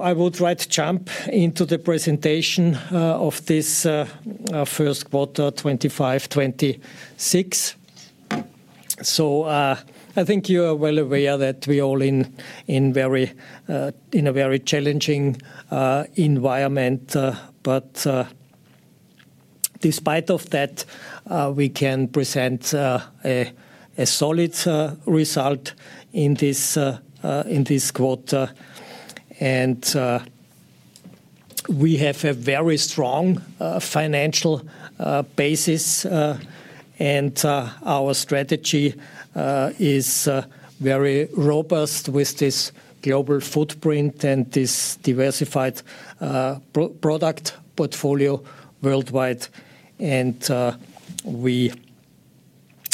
I would like to jump into the presentation of this first quarter 2025-2026. I think you are well aware that we are all in a very challenging environment. Despite that, we can present a solid result in this quarter. We have a very strong financial basis, and our strategy is very robust with this global footprint and this diversified product portfolio worldwide.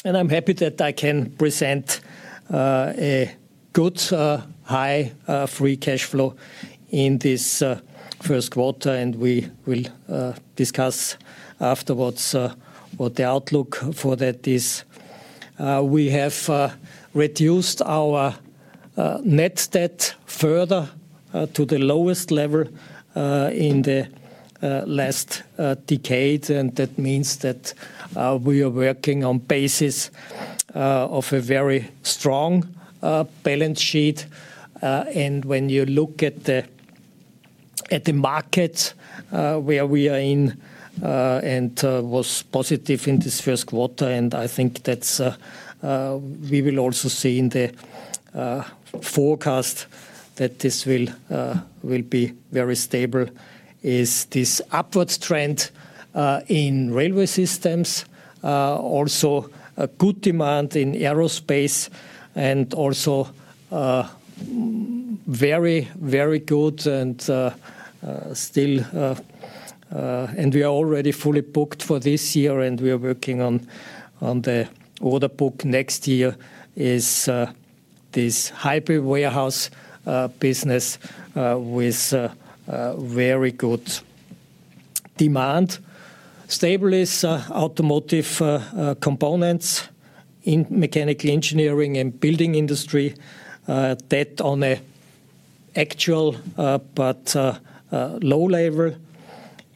I'm happy that I can present a good, high free cash flow in this first quarter, and we will discuss afterwards what the outlook for that is. We have reduced our net debt further to the lowest level in the last decade. That means that we are working on the basis of a very strong balance sheet. When you look at the market where we are in and was positive in this first quarter, I think that we will also see in the forecast that this will be very stable, is this upward trend in railway systems. Also, a good demand in aerospace and also very, very good. We are already fully booked for this year, and we are working on the order book next year, this high-bay warehouse business with very good demand. Stable is automotive components in the mechanical engineering and building industry. That on an actual, but low level.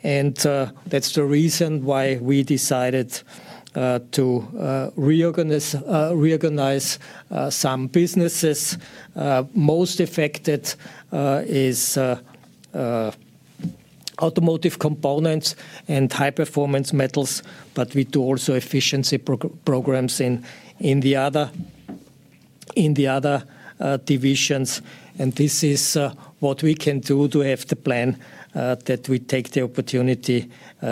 That's the reason why we decided to reorganize some businesses. Most affected is automotive components and high-performance metals, but we do also efficiency programs in the other divisions. This is what we can do to have the plan that we take the opportunity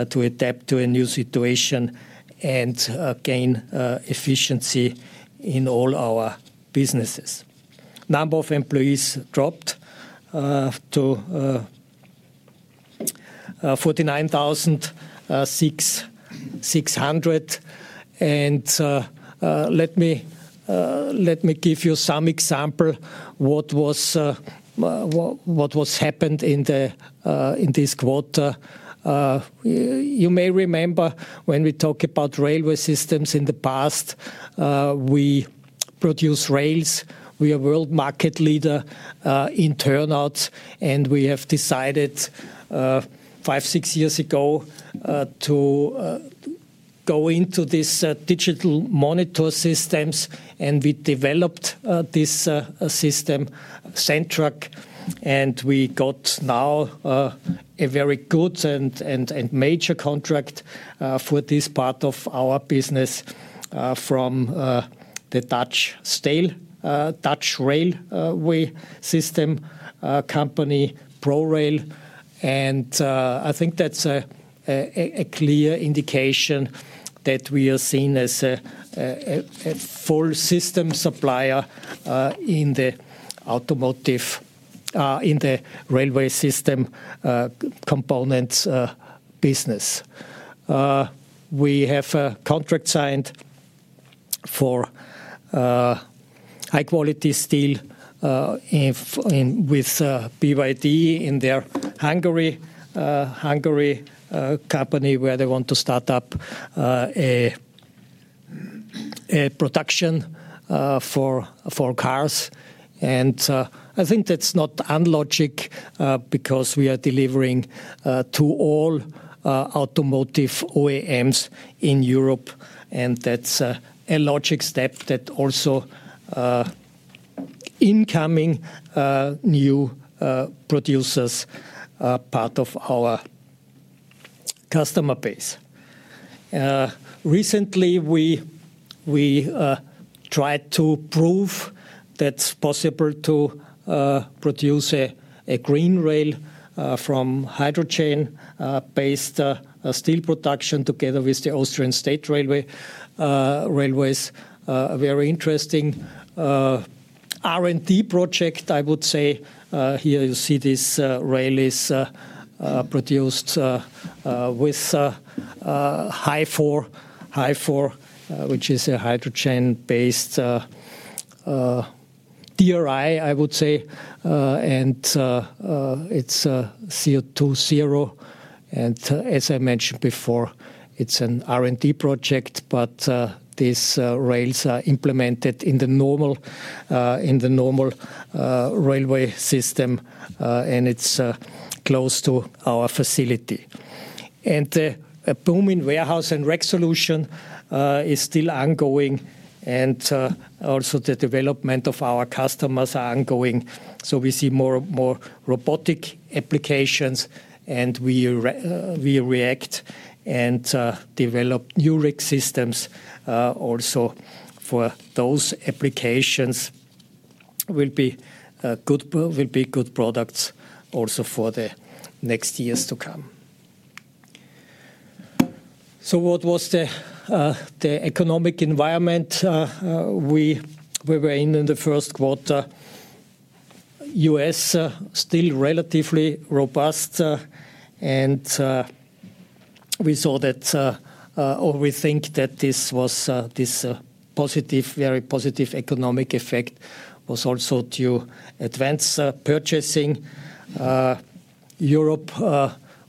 to adapt to a new situation and gain efficiency in all our businesses. Number of employees dropped to 49,600. Let me give you some example of what was happened in this quarter. You may remember when we talk about railway systems in the past, we produce rails. We are a world market leader in turnouts, and we have decided five, six years ago to go into these digital monitor systems. We developed this system, Xentrac, and we got now a very good and major contract for this part of our business from the Dutch railway system company, ProRail. I think that's a clear indication that we are seen as a full system supplier in the railway system component business. We have a contract signed for high-quality steel with BYD in their Hungary company where they want to start up a production for cars. I think that's not unlogic because we are delivering to all automotive OEMs in Europe. That's a logic step that also incoming new producers are part of our customer base. Recently, we tried to prove that it's possible to produce a green rail from hydrogen-based steel production together with ÖBB. A very interesting R&D project, I would say. Here you see this rail is produced with HBI, which is a hydrogen-based DRI, I would say. It's CO2 zero. As I mentioned before, it's an R&D project, but these rails are implemented in the normal railway system, and it's close to our facility. The boom in warehouse and rack solution is still ongoing, and also the development of our customers is ongoing. We see more and more robotic applications, and we react and develop new rack systems also for those applications. It will be good products also for the next years to come. What was the economic environment we were in in the first quarter? U.S. still relatively robust, and we saw that, or we think that this very positive economic effect was also due to advanced purchasing. Europe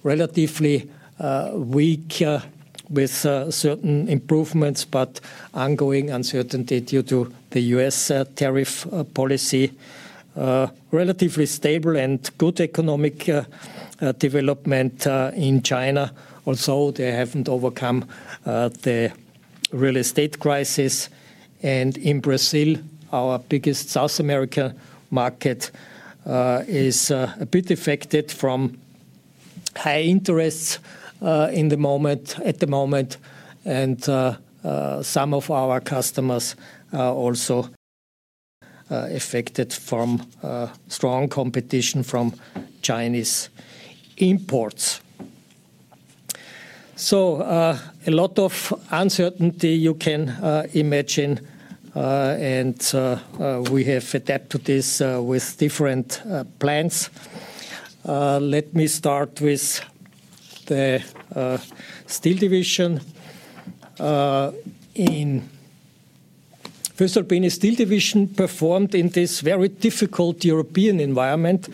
relatively weak with certain improvements, but ongoing uncertainty due to the U.S. tariff policy. Relatively stable and good economic development in China. Also, they haven't overcome the real estate crisis. In Brazil, our biggest South American market is a bit affected from high interests at the moment. Some of our customers are also affected from strong competition from Chinese imports. A lot of uncertainty you can imagine, and we have adapted to this with different plans. Let me start with the Steel Division. voestalpine Steel Division performed in this very difficult European environment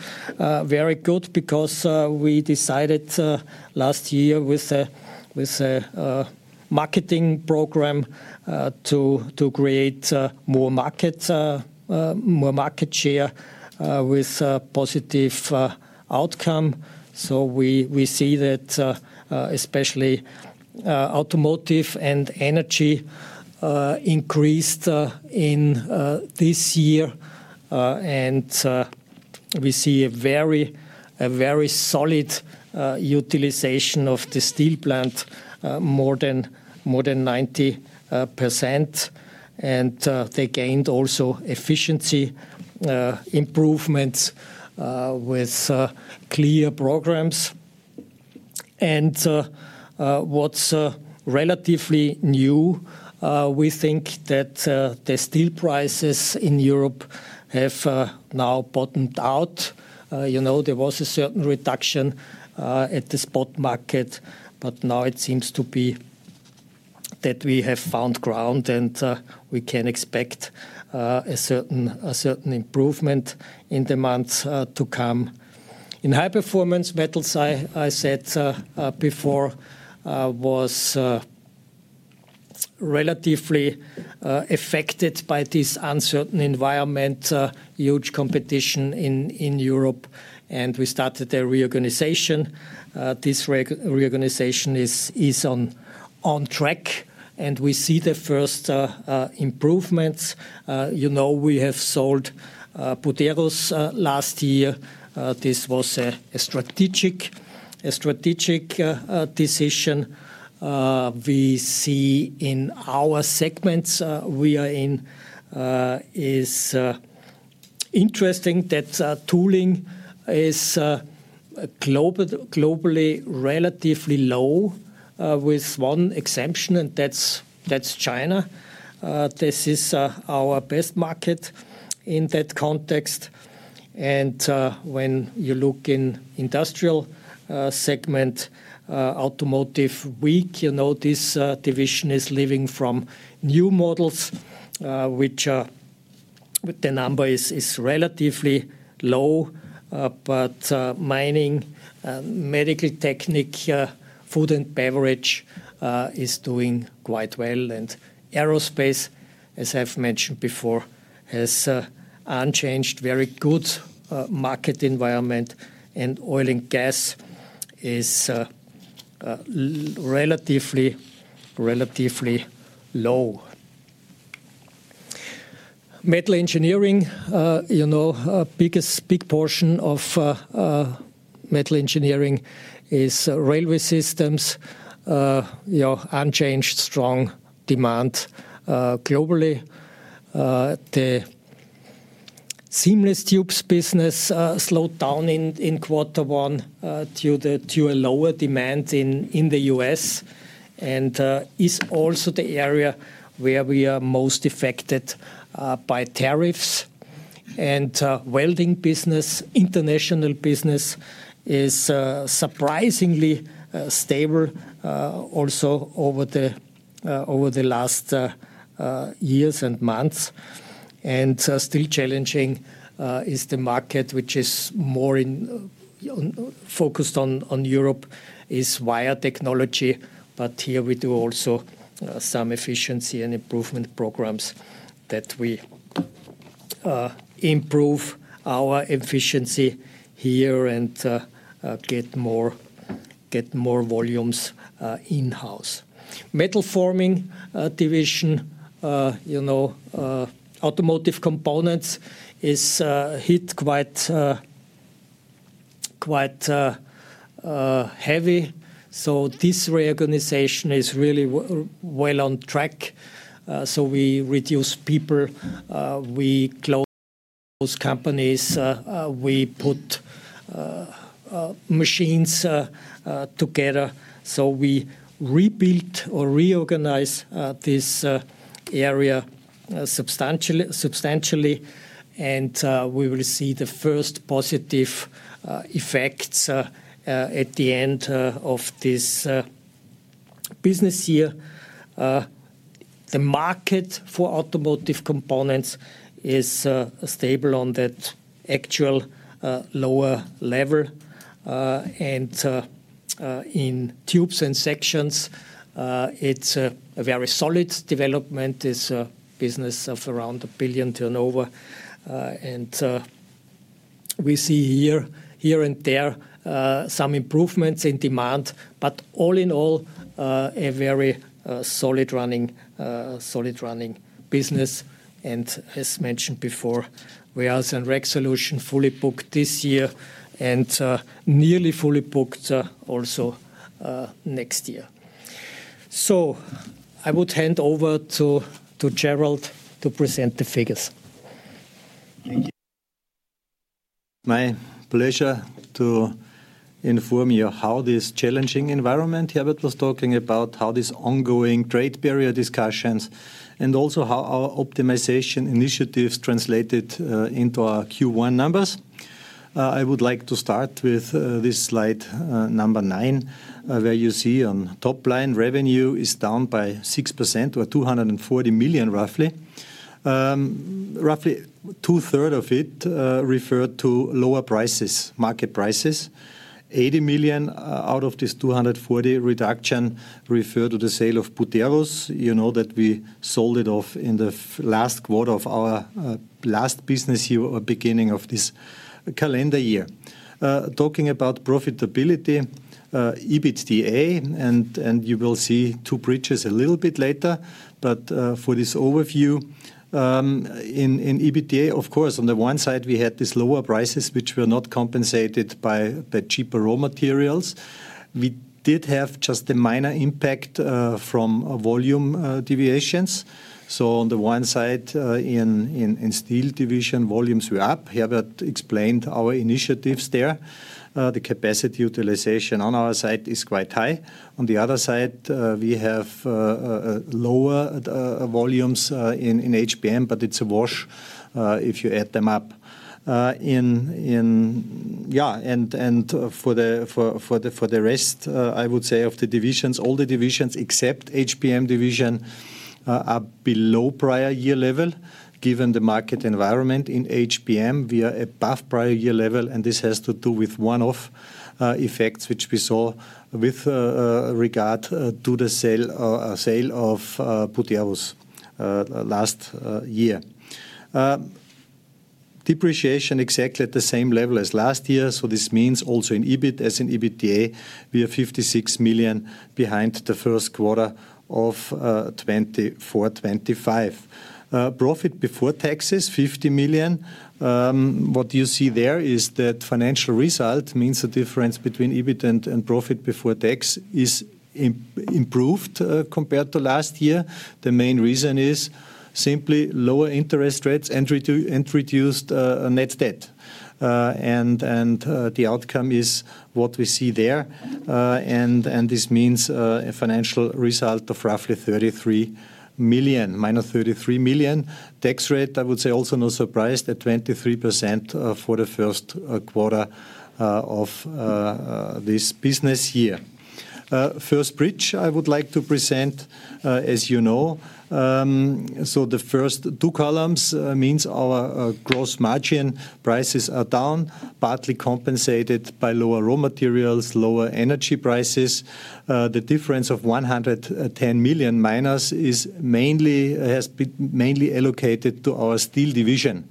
very good because we decided last year with a marketing program to create more market share with a positive outcome. We see that especially automotive and energy increased this year, and we see a very solid utilization of the steel plant, more than 90%. They gained also efficiency improvements with clear programs. What's relatively new, we think that the steel prices in Europe have now bottomed out. You know there was a certain reduction at the spot market, but now it seems to be that we have found ground and we can expect a certain improvement in the months to come. In High Performance Metals, I said before, was relatively affected by this uncertain environment, huge competition in Europe, and we started a reorganization. This reorganization is on track, and we see the first improvements. You know we have sold Buderus last year. This was a strategic decision. We see in our segments we are in, it's interesting that tooling is globally relatively low with one exception, and that's China. This is our best market in that context. When you look in the industrial segment, automotive is weak. You know this division is living from new models, which the number is relatively low. Mining, medical technique, food and beverage is doing quite well. Aerospace, as I've mentioned before, has unchanged a very good market environment. Oil and gas is relatively low. Metal engineering, you know a big portion of metal engineering is railway systems. Unchanged strong demand globally. The seamless tubes business slowed down in quarter one due to a lower demand in the U.S. and is also the area where we are most affected by tariffs. The welding business, international business, is surprisingly stable also over the last years and months. Still challenging is the market, which is more focused on Europe, is wire technology. Here we do also some efficiency and improvement programs that we improve our efficiency here and get more volumes in-house. Metal Forming Division, you know, automotive components is hit quite heavy. This reorganization is really well on track. We reduce people, we close those companies, we put machines together. We rebuild or reorganize this area substantially, and we will see the first positive effects at the end of this business year. The market for automotive components is stable on that actual lower level. In tubes and sections, it's a very solid development. It's a business of around $1 billion turnover. We see here and there some improvements in demand, but all in all, a very solid running business. As mentioned before, warehouse and rack solution fully booked this year and nearly fully booked also next year. I would hand over to Gerald to present the figures. Thank you. My pleasure to inform you how this challenging environment Herbert was talking about, how these ongoing trade barrier discussions and also how our optimization initiatives translated into our Q1 numbers. I would like to start with this slide, number nine, where you see on top line revenue is down by 6% or 240 million, roughly. Roughly two-thirds of it referred to lower prices, market prices. 80 million out of this 240 million reduction referred to the sale of Buderus. You know that we sold it off in the last quarter of our last business year or beginning of this calendar year. Talking about profitability, EBITDA, and you will see two bridges a little bit later. For this overview, in EBITDA, of course, on the one side, we had these lower prices, which were not compensated by cheaper raw materials. We did have just a minor impact from volume deviations. On the one side, in steel division, volumes were up. Herbert explained our initiatives there. The capacity utilization on our side is quite high. On the other side, we have lower volumes in HPM, but it's a wash if you add them up. For the rest, I would say of the divisions, all the divisions except HPM division are below prior year level. Given the market environment in HPM, we are above prior year level, and this has to do with one-off effects which we saw with regard to the sale of Buderus last year. Depreciation exactly at the same level as last year. This means also in EBIT, as in EBITDA, we are 56 million behind the first quarter of 2024. Profit before taxes, 50 million. What you see there is that financial result means the difference between EBIT and profit before tax is improved compared to last year. The main reason is simply lower interest rates and reduced net debt. The outcome is what we see there. This means a financial result of roughly 33 million, -33 million tax rate. I would say also no surprise that 23% for the first quarter of this business year. First bridge I would like to present, as you know. The first two columns mean our gross margin prices are down, partly compensated by lower raw materials, lower energy prices. The difference of 110- million is mainly allocated to our steel division,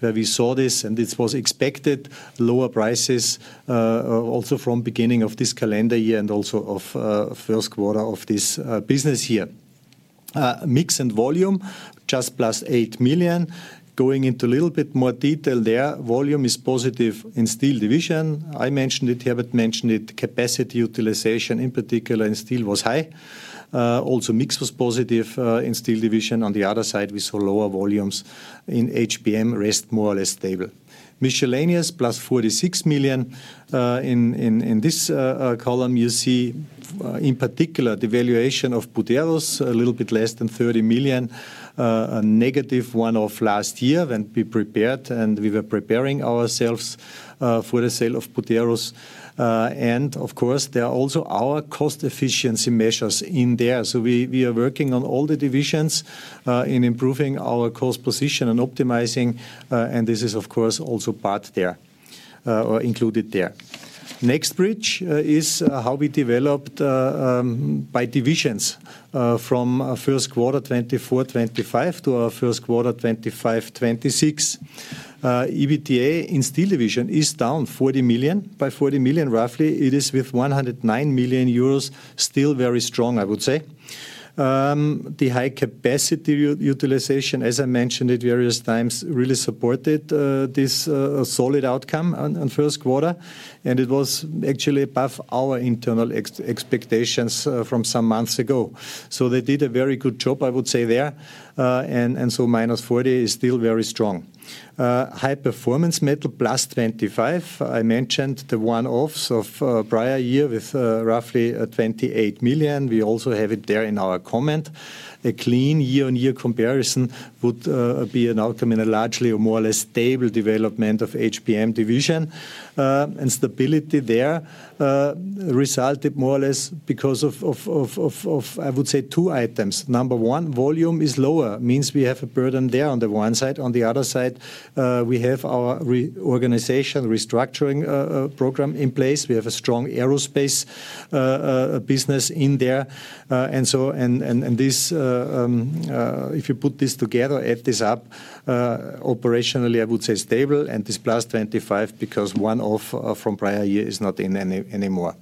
where we saw this, and this was expected. Lower prices are also from the beginning of this calendar year and also of the first quarter of this business year. Mix and volume, just +8 million. Going into a little bit more detail there, volume is positive in steel division. I mentioned it, Herbert mentioned it. Capacity utilization, in particular in steel, was high. Also, mix was positive in steel division. On the other side, we saw lower volumes in HPM, rest more or less stable. Miscellaneous +46 million. In this column, you see in particular the valuation of Buderus, a little bit less than 30 million, a negative one-off last year when we prepared and we were preparing ourselves for the sale of Buderus. Of course, there are also our cost efficiency measures in there. We are working on all the divisions in improving our cost position and optimizing. This is, of course, also part there or included there. Next bridge is how we developed by divisions from first quarter 2024-2025 to our first quarter 2025-2026. EBITDA in steel division is down 40 million. By 40 million, roughly, it is with 109 million euros, still very strong, I would say. The high capacity utilization, as I mentioned it various times, really supported this solid outcome in the first quarter. It was actually above our internal expectations from some months ago. They did a very good job, I would say there. -40 million is still very strong. High performance metal +25 million. I mentioned the one-offs of prior year with roughly 28 million. We also have it there in our comment. A clean year-on-year comparison would be an outcome in a largely or more or less stable development of HPM division. Stability there resulted more or less because of, I would say, two items. Number one, volume is lower, means we have a burden there on the one side. On the other side, we have our reorganization, restructuring program in place. We have a strong aerospace business in there. If you put this together, add this up, operationally, I would say stable. This +25 million because one-off from prior year is not in anymore.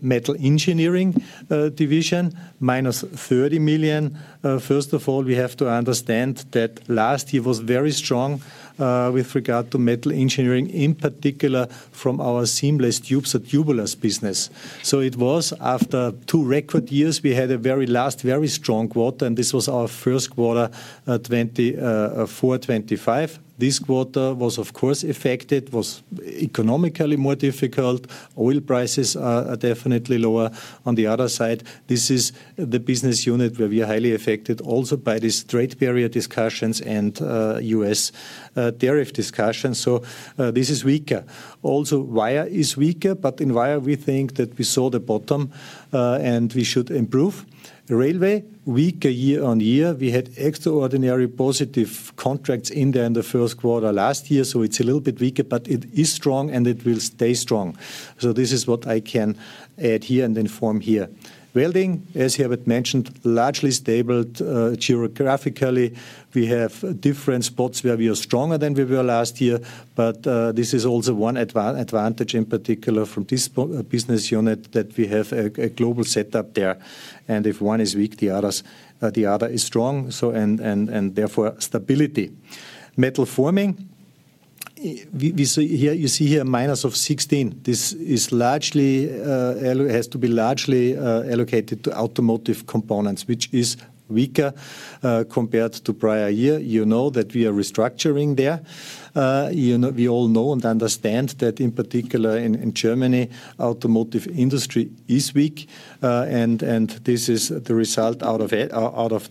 Metal engineering division, -30 million. First of all, we have to understand that last year was very strong with regard to metal engineering, in particular from our seamless tubes and tubular business. After two record years, we had a very last very strong quarter, and this was our first quarter 2024-2025. This quarter was, of course, affected, was economically more difficult. Oil prices are definitely lower. On the other side, this is the business unit where we are highly affected also by these trade barrier discussions and U.S. tariff discussions. This is weaker. Also, wire is weaker, but in wire, we think that we saw the bottom and we should improve. Railway, weaker year on year. We had extraordinary positive contracts in there in the first quarter last year. It is a little bit weaker, but it is strong and it will stay strong. This is what I can add here and inform here. Welding, as Herbert mentioned, largely stable geographically. We have different spots where we are stronger than we were last year. This is also one advantage in particular from this business unit that we have a global setup there. If one is weak, the other is strong, and therefore, stability. Metal forming, we see here, you see here minus of 16. This has to be largely allocated to automotive components, which is weaker compared to prior year. You know that we are restructuring there. We all know and understand that in particular in Germany, the automotive industry is weak. This is the result out of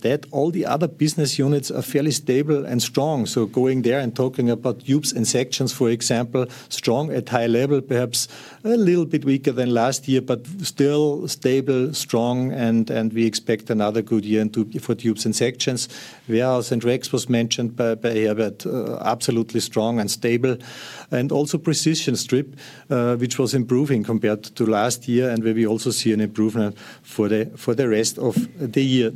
that. All the other business units are fairly stable and strong. Going there and talking about tubes and sections, for example, strong at high level, perhaps a little bit weaker than last year, but still stable, strong. We expect another good year for tubes and sections. Warehouse and racks was mentioned by Herbert. Absolutely strong and stable. Also, precision strip, which was improving compared to last year, and where we also see an improvement for the rest of the year.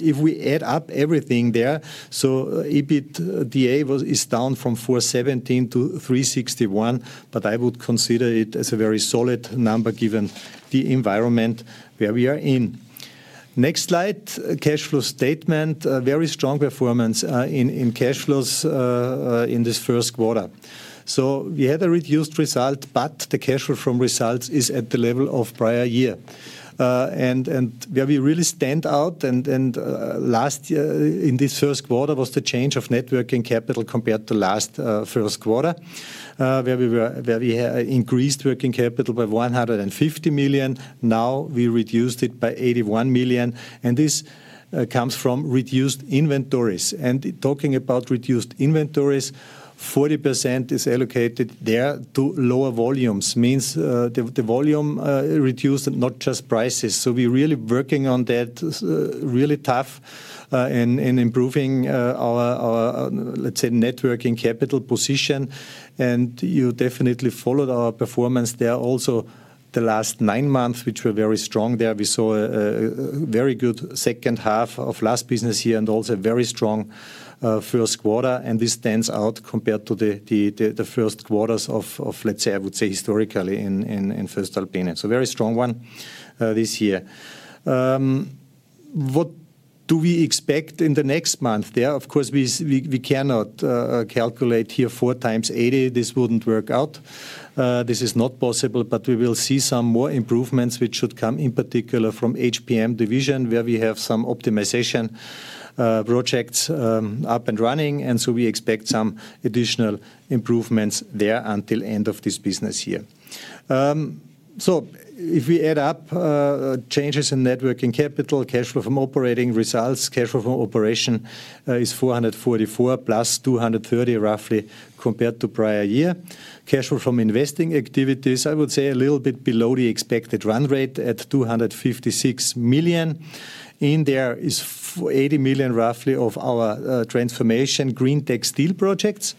If we add up everything there, EBITDA is down from 417 million to 361 million, but I would consider it as a very solid number given the environment where we are in. Next slide, cash flow statement. Very strong performance in cash flows in this first quarter. We had a reduced result, but the cash flow from results is at the level of prior year. Where we really stand out, and last year in this first quarter, was the change of net working capital compared to last first quarter, where we increased working capital by 150 million. Now we reduced it by 81 million. This comes from reduced inventories. Talking about reduced inventories, 40% is allocated there to lower volumes, means the volume reduced and not just prices. We are really working on that, really tough in improving our, let's say, net working capital position. You definitely followed our performance there. Also, the last nine months, which were very strong there, we saw a very good second half of last business year and also a very strong first quarter. This stands out compared to the first quarters of, let's say, I would say historically in voestalpine. It's a very strong one this year. What do we expect in the next month there? Of course, we cannot calculate here four times 80. This wouldn't work out. This is not possible, but we will see some more improvements, which should come in particular from HPM division, where we have some optimization projects up and running. We expect some additional improvements there until the end of this business year. If we add up changes in networking capital, cash flow from operating results, cash flow from operation is 444 million +230 million, roughly compared to prior year. Cash flow from investing activities, I would say a little bit below the expected run rate at 256 million. In there is 80 million, roughly, of our transformation green textile projects.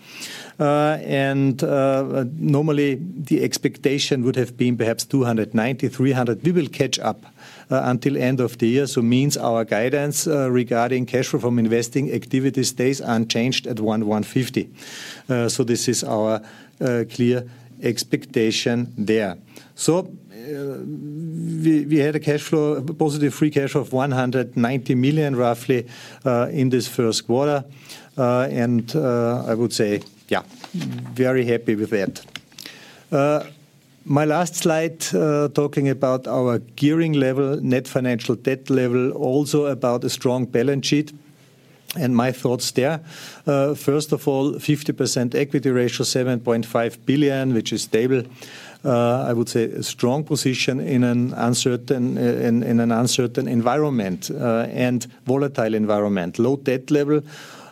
Normally, the expectation would have been perhaps 290 million, 300 million. We will catch up until the end of the year. It means our guidance regarding cash flow from investing activities stays unchanged at 1,150 million. This is our clear expectation there. We had a cash flow, a positive free cash flow of 190 million, roughly, in this first quarter. I would say, yeah, very happy with that. My last slide talking about our gearing level, net financial debt level, also about a strong balance sheet, and my thoughts there. First of all, 50% equity ratio, 7.5 billion, which is stable. I would say a strong position in an uncertain environment and volatile environment. Low debt level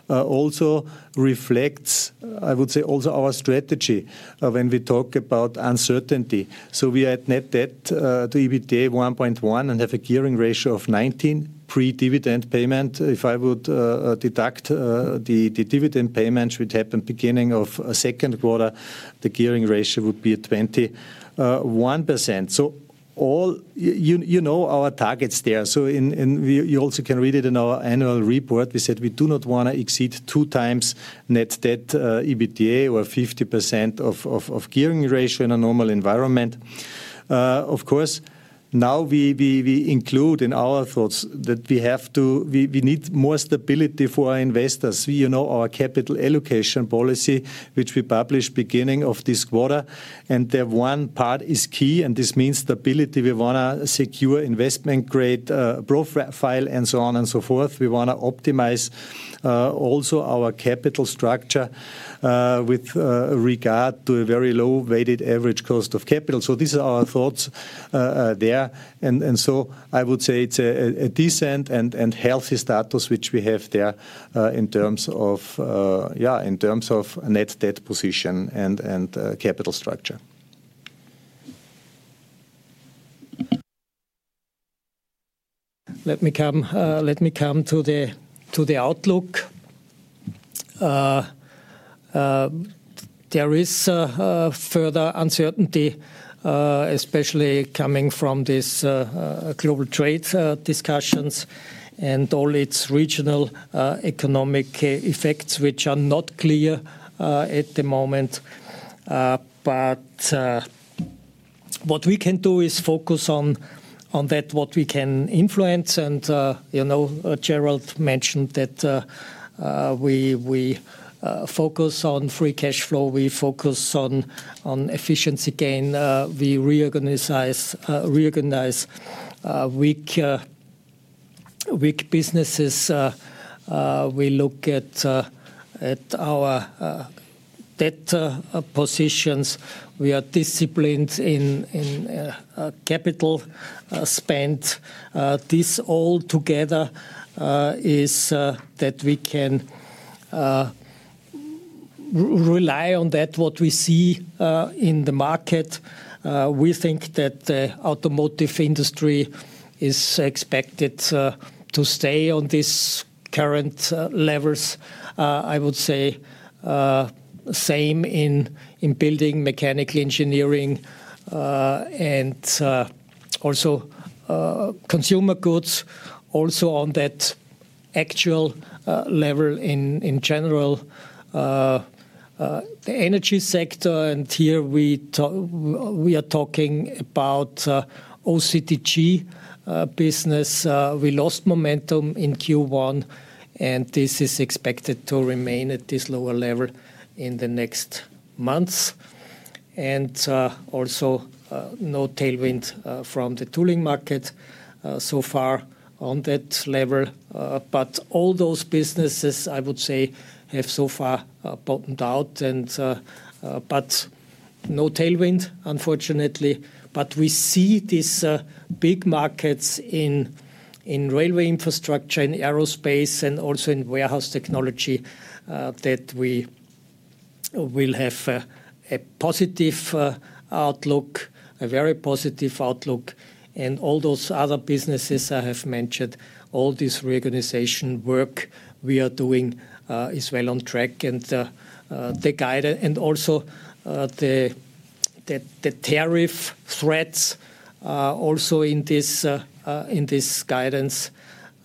also reflects, I would say, also our strategy when we talk about uncertainty. We are at net debt to EBITDA 1.1 and have a gearing ratio of 19%. Pre-dividend payment, if I would deduct the dividend payment, which would happen at the beginning of the second quarter, the gearing ratio would be 21%. All you know our targets there. You also can read it in our annual report. We said we do not want to exceed two times net debt EBITDA or 50% of gearing ratio in a normal environment. Of course, now we include in our thoughts that we have to, we need more stability for our investors. You know our capital allocation policy, which we published beginning of this quarter. The one part is key, and this means stability. We want to secure investment-grade profile and so on and so forth. We want to optimize also our capital structure with regard to a very low weighted average cost of capital. These are our thoughts there. I would say it's a decent and healthy status, which we have there in terms of, yeah, in terms of net debt position and capital structure. Let me come to the outlook. There is further uncertainty, especially coming from these global trade discussions and all its regional economic effects, which are not clear at the moment. What we can do is focus on that, what we can influence. You know Gerald mentioned that we focus on free cash flow. We focus on efficiency gain. We reorganize weak businesses. We look at our debt positions. We are disciplined in capital spend. This all together is that we can rely on that, what we see in the market. We think that the automotive industry is expected to stay on these current levels. I would say same in building mechanical engineering and also consumer goods, also on that actual level in general. The energy sector, and here we are talking about OCTG business. We lost momentum in Q1, and this is expected to remain at this lower level in the next months. Also, no tailwind from the tooling market so far on that level. All those businesses, I would say, have so far bottomed out. No tailwind, unfortunately. We see these big markets in railway infrastructure, in aerospace, and also in warehouse technology that we will have a positive outlook, a very positive outlook. All those other businesses I have mentioned, all this reorganization work we are doing is well on track. The guidance, and also the tariff threats also in this guidance,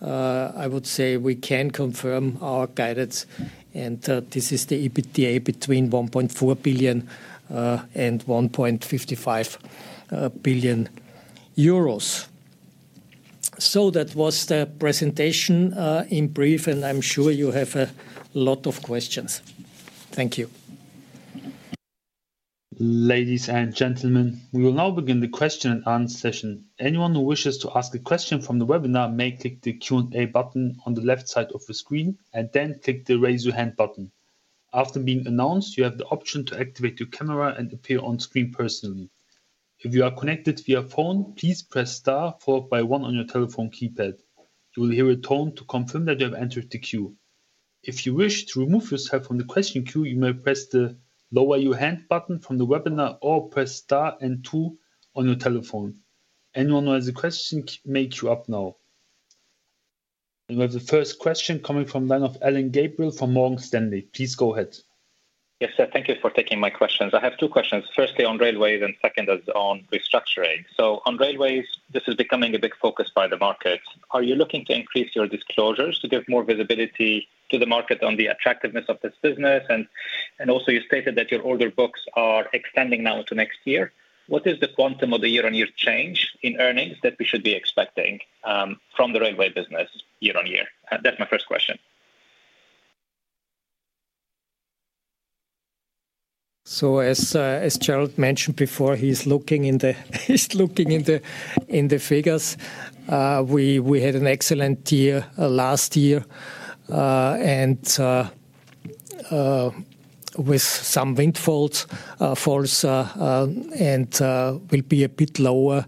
I would say we can confirm our guidance. This is the EBITDA between 1.4 billion and 1.55 billion euros. That was the presentation in brief, and I'm sure you have a lot of questions. Thank you. Ladies and gentlemen, we will now begin the question-and-answer session. Anyone who wishes to ask a question from the webinar may click the Q&A button on the left side of the screen and then click the Raise Your Hand button. After being announced, you have the option to activate your camera and appear on screen personally. If you are connected via phone, please press star followed by one on your telephone keypad. You will hear a tone to confirm that you have entered the queue. If you wish to remove yourself from the question queue, you may press the Lower Your Hand button from the webinar or press star and two on your telephone. Anyone who has a question may queue up now. We have the first question coming from the line of Alain Gabriel from Morgan Stanley. Please go ahead. Yes, sir. Thank you for taking my questions. I have two questions. Firstly on railways and second is on restructuring. On railways, this is becoming a big focus by the market. Are you looking to increase your disclosures to give more visibility to the market on the attractiveness of this business? You stated that your order books are extending now to next year. What is the quantum of the year-on-year change in earnings that we should be expecting from the railway business year-on-year? That's my first question. As Gerald mentioned before, he's looking in the figures. We had an excellent year last year with some windfalls and will be a bit lower.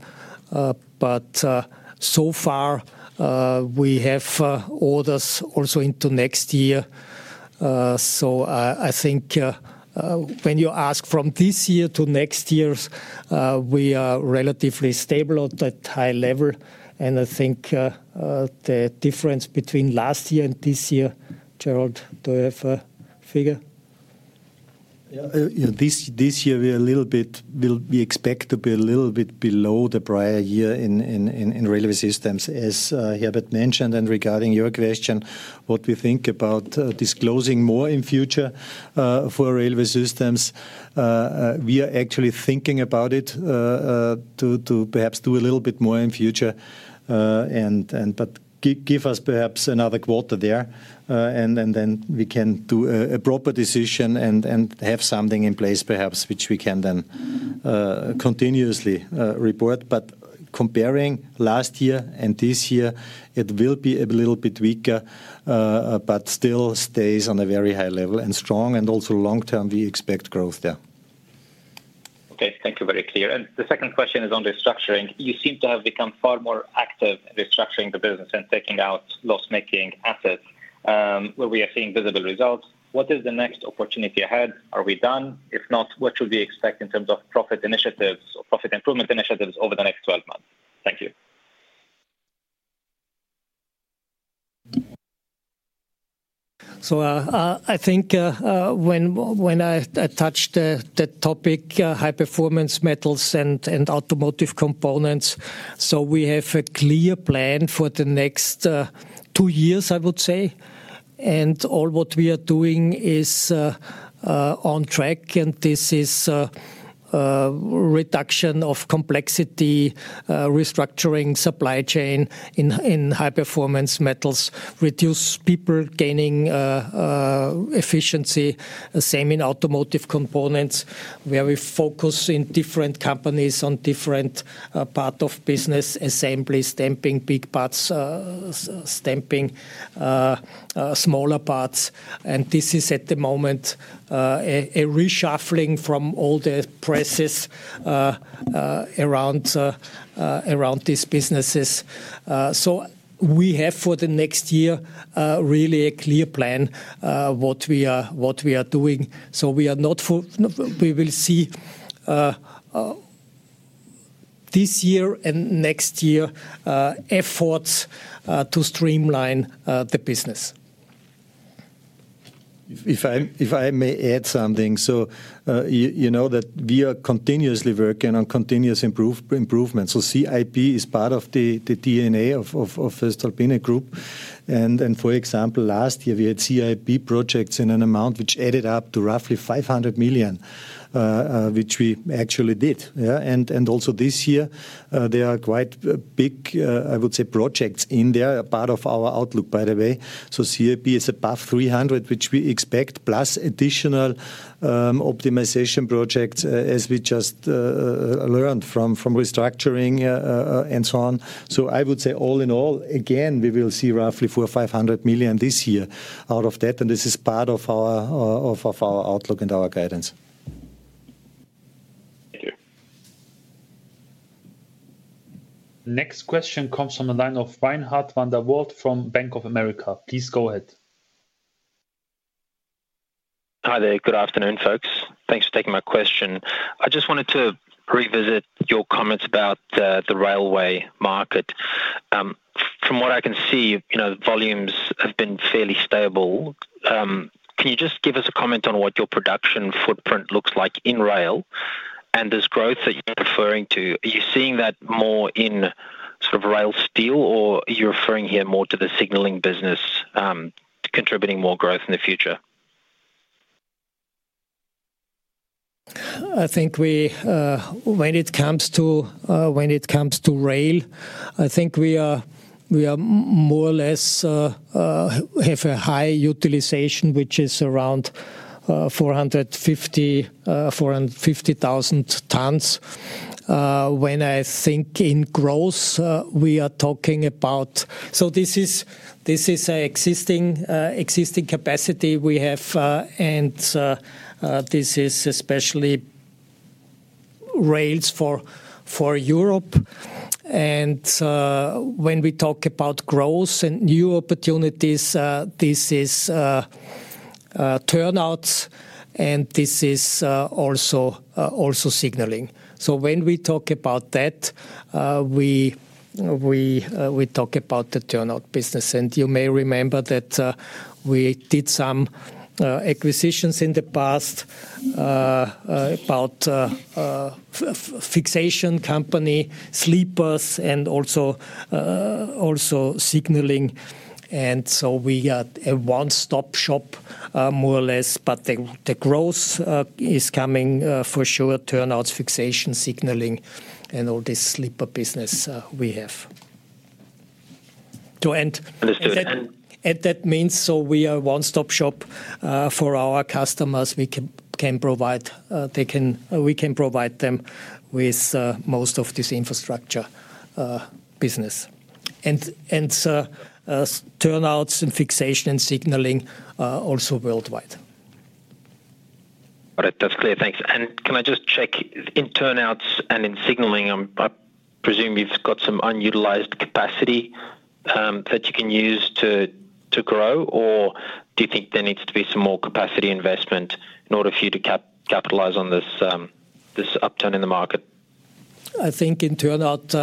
We have orders also into next year. I think when you ask from this year to next year, we are relatively stable at that high level. I think the difference between last year and this year, Gerald, do you have a figure? Yeah. This year, we are a little bit, we expect to be a little bit below the prior year in railway systems, as Herbert mentioned. Regarding your question, what we think about disclosing more in future for railway systems, we are actually thinking about it to perhaps do a little bit more in future. Give us perhaps another quarter there, and then we can do a proper decision and have something in place perhaps, which we can then continuously report. Comparing last year and this year, it will be a little bit weaker, but still stays on a very high level and strong. Also long term, we expect growth there. Okay. Thank you. Very clear. The second question is on the restructuring. You seem to have become far more active in restructuring the business and taking out loss-making assets. We are seeing visible results. What is the next opportunity ahead? Are we done? If not, what should we expect in terms of profit initiatives, profit improvement initiatives over the next 12 months? Thank you. I think when I touched the topic, high-performance metals and automotive components, we have a clear plan for the next two years, I would say. All what we are doing is on track. This is a reduction of complexity, restructuring supply chain in high-performance metals, reduce people, gaining efficiency, same in automotive components, where we focus in different companies on different parts of business, assembly, stamping, big parts, stamping, smaller parts. This is at the moment a reshuffling from all the presses around these businesses. We have for the next year really a clear plan what we are doing. We will see this year and next year efforts to streamline the business. If I may add something, you know that we are continuously working on continuous improvements. CIP is part of the DNA of voestalpine AG. For example, last year, we had CIP projects in an amount which added up to roughly 500 million, which we actually did. Also, this year, there are quite big, I would say, projects in there, a part of our outlook, by the way. CIP is above 300 million, which we expect, plus additional optimization projects, as we just learned from restructuring and so on. I would say all in all, again, we will see roughly 400 million or 500 million this year out of that. This is part of our outlook and our guidance. Next question comes from the line of Reinhardt van der Walt from Bank of America. Please go ahead. Hi there. Good afternoon, folks. Thanks for taking my question. I just wanted to revisit your comments about the railway market. From what I can see, the volumes have been fairly stable. Can you just give us a comment on what your production footprint looks like in rail? This growth that you're referring to, are you seeing that more in sort of rail steel, or are you referring here more to the signaling business contributing more growth in the future? I think when it comes to rail, we more or less have a high utilization, which is around 450,000 tons. When I think in gross, we are talking about, so this is an existing capacity we have, and this is especially rails for Europe. When we talk about growth and new opportunities, this is turnouts, and this is also signaling. When we talk about that, we talk about the turnout business. You may remember that we did some acquisitions in the past about fixation companies, sleepers, and also signaling. We are a one-stop shop, more or less. The growth is coming for sure, turnouts, fixation, signaling, and all this sleeper business we have. That means we are a one-stop shop for our customers. We can provide them with most of this infrastructure business. Turnouts and fixation and signaling are also worldwide. Got it. That's clear. Thanks. Can I just check in turnouts and in signaling, I presume you've got some unutilized capacity that you can use to grow, or do you think there needs to be some more capacity investment in order for you to capitalize on this upturn in the market? I think in turnout,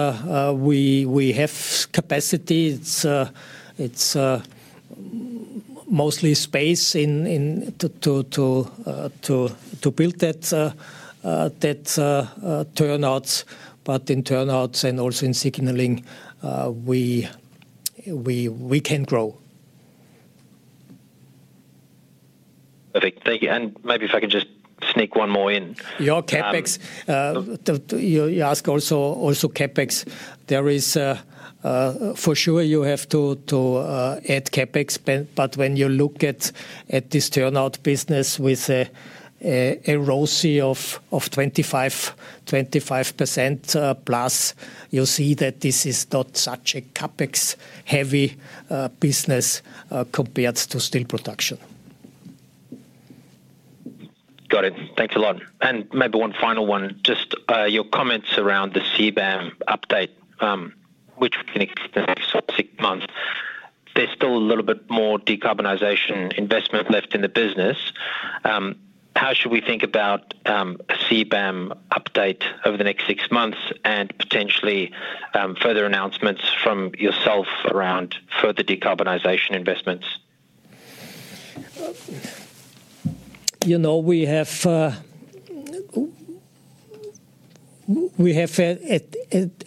we have capacity. It's mostly space to build that turnouts. In turnouts and also in signaling, we can grow. Perfect. Thank you. Maybe if I can just sneak one more in. Yeah, CapEx. You ask also CapEx. For sure you have to add CapEx, but when you look at this turnout business with a ROC of 25%+, you'll see that this is not such a CapEx-heavy business compared to steel production. Got it. Thanks a lot. Maybe one final one, just your comments around the CBAM update, which finished six months. There's still a little bit more decarbonization investment left in the business. How should we think about a CBAM update over the next six months and potentially further announcements from yourself around further decarbonization investments? You know we have a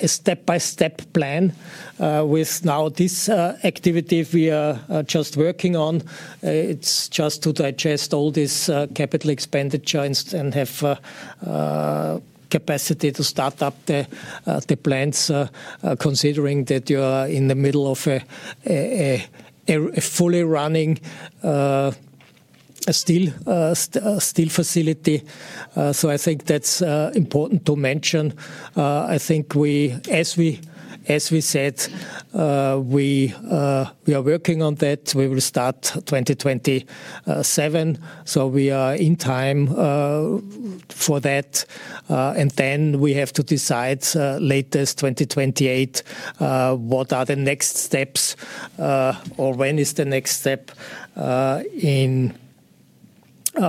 step-by-step plan with now this activity we are just working on. It's just to digest all this capital expenditure and have capacity to start up the plans, considering that you are in the middle of a fully running steel facility. I think that's important to mention. I think we, as we said, we are working on that. We will start 2027. We are in time for that. We have to decide latest 2028 what are the next steps, or when is the next step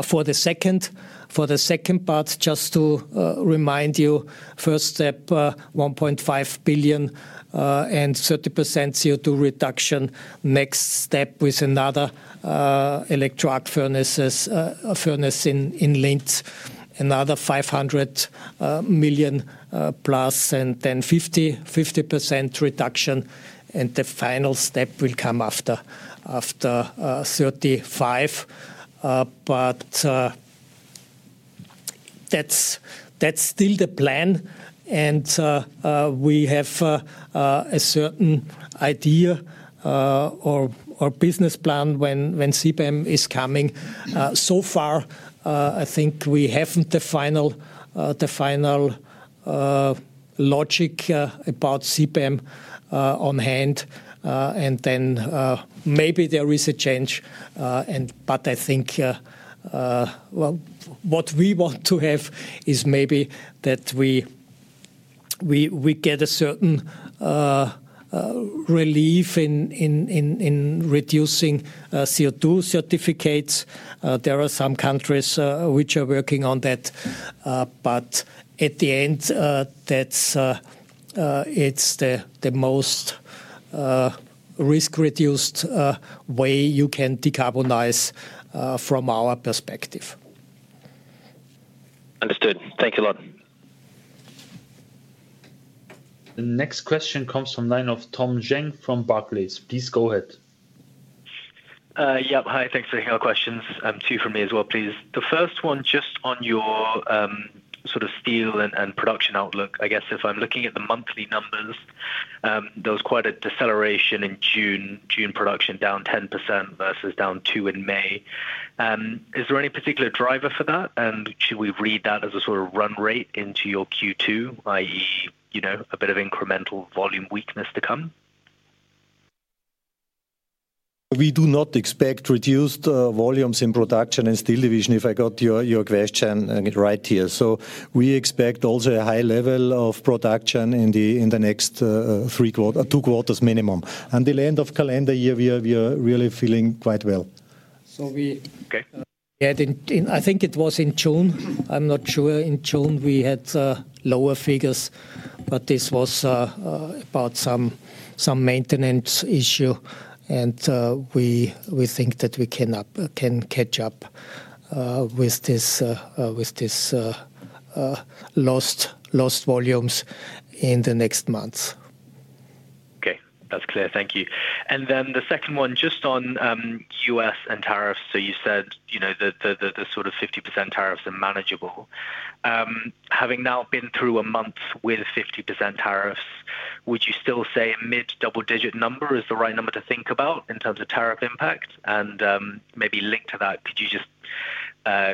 for the second part. Just to remind you, first step, 1.5 billion and 30% CO2 reduction. Next step with another electric arc furnace in Linz, another 500+ million, and then 50% reduction. The final step will come after 2035. That's still the plan. We have a certain idea or business plan when CBAM is coming. So far, I think we have the final logic about CBAM on hand. Maybe there is a change. I think what we want to have is maybe that we get a certain relief in reducing CO2 certificates. There are some countries which are working on that. At the end, it's the most risk-reduced way you can decarbonize from our perspective. Understood. Thank you a lot. The next question comes from the line of Tom Zhang from Barclays. Please go ahead. Yeah. Hi. Thanks for taking our questions. Two from me as well, please. The first one just on your sort of steel and production outlook. I guess if I'm looking at the monthly numbers, there was quite a deceleration in June production down 10% versus down 2% in May. Is there any particular driver for that? Should we read that as a sort of run rate into your Q2, i.e., you know a bit of incremental volume weakness to come? We do not expect reduced volumes in production and Steel Division, if I got your question right here. We expect also a high level of production in the next two quarters minimum. At the end of calendar year, we are really feeling quite well. I think it was in June. I'm not sure. In June, we had lower figures, but this was about some maintenance issue. We think that we can catch up with these lost volumes in the next months. Okay. That's clear. Thank you. The second one, just on U.S. and tariffs. You said the sort of 50% tariffs are manageable. Having now been through a month with 50% tariffs, would you still say a mid-double-digit number is the right number to think about in terms of tariff impact? Maybe linked to that, could you just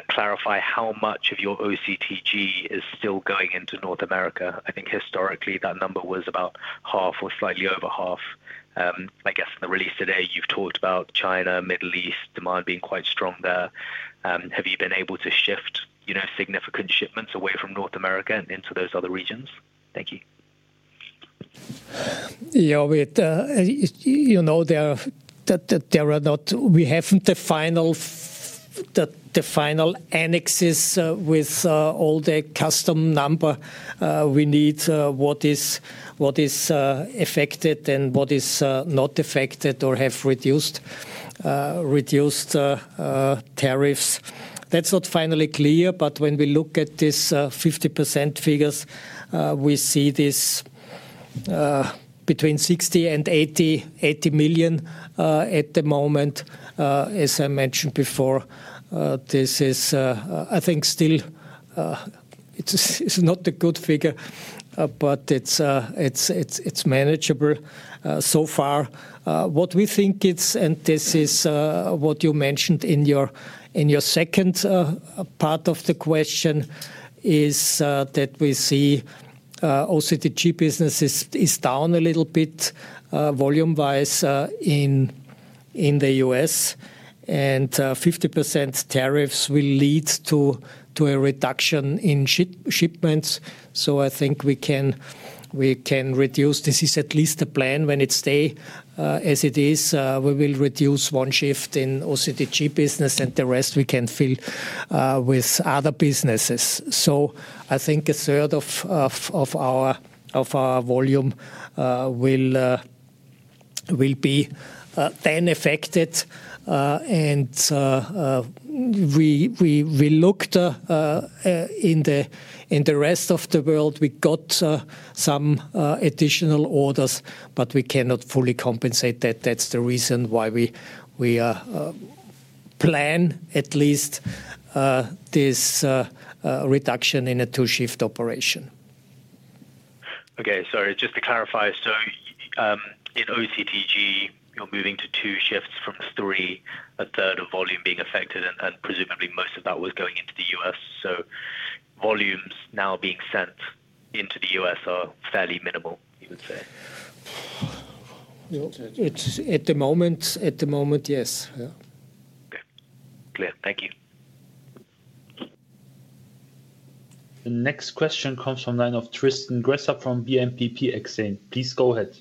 clarify how much of your OCTG is still going into North America? I think historically, that number was about half or slightly over half. I guess in the release today, you've talked about China, Middle East demand being quite strong there. Have you been able to shift significant shipments away from North America and into those other regions? Thank you. Yeah, wait. You know that we haven't the final annexes with all the custom number. We need what is affected and what is not affected or have reduced tariffs. That's not finally clear, but when we look at these 50% figures, we see this between 60 million and 80 million at the moment. As I mentioned before, this is, I think, still it's not a good figure, but it's manageable so far. What we think is, and this is what you mentioned in your second part of the question, is that we see OCTG business is down a little bit volume-wise in the U.S. and 50% tariffs will lead to a reduction in shipments. I think we can reduce. This is at least the plan. When it stays as it is, we will reduce one shift in OCTG business, and the rest we can fill with other businesses. I think a third of our volume will be then affected. We looked in the rest of the world. We got some additional orders, but we cannot fully compensate that. That's the reason why we plan at least this reduction in a two-shift operation. Okay. Sorry. Just to clarify, in OCTG, you're moving to two shifts from three, a third of volume being affected, and presumably most of that was going into the U.S. Volumes now being sent into the U.S. are fairly minimal, you would say. At the moment, yes. Okay. Clear. Thank you. The next question comes from the line of Tristan Gresser from BNP Paribas Exane. Please go ahead.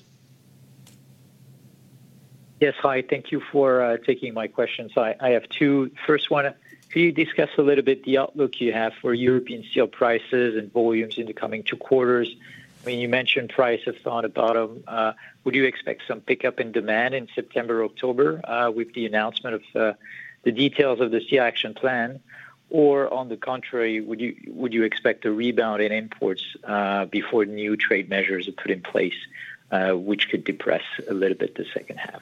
Yes. Hi. Thank you for taking my questions. I have two. First one, could you discuss a little bit the outlook you have for European steel prices and volumes in the coming two quarters? I mean, you mentioned prices have gone to bottom. Would you expect some pickup in demand in September, October with the announcement of the details of the steel action plan? Or on the contrary, would you expect a rebound in imports before new trade measures are put in place, which could depress a little bit the second half?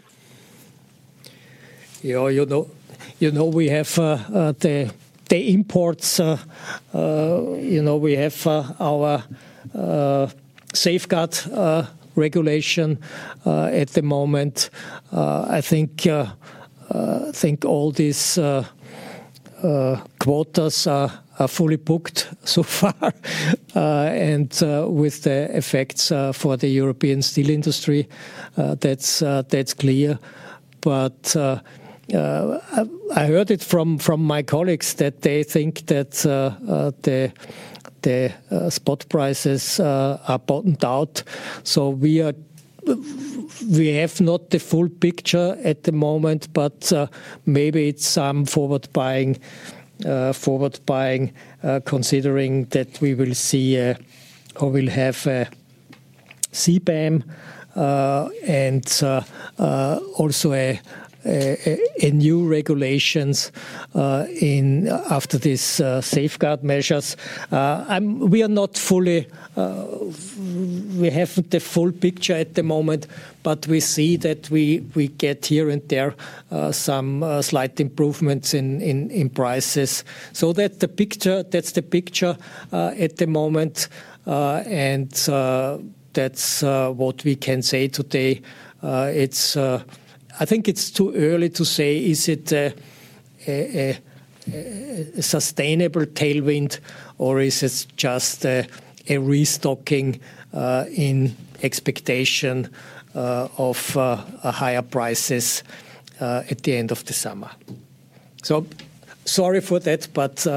You know we have the imports. You know we have our safeguard regulation at the moment. I think all these quotas are fully booked so far, and with the effects for the European steel industry, that's clear. I heard it from my colleagues that they think that the spot prices are bottomed out. We have not the full picture at the moment, but maybe it's some forward buying, considering that we will see or will have a CBAM and also a new regulation after these safeguard measures. We are not fully, we have the full picture at the moment, but we see that we get here and there some slight improvements in prices. That's the picture at the moment, and that's what we can say today. I think it's too early to say is it a sustainable tailwind or is it just a restocking in expectation of higher prices at the end of the summer. Sorry for that, but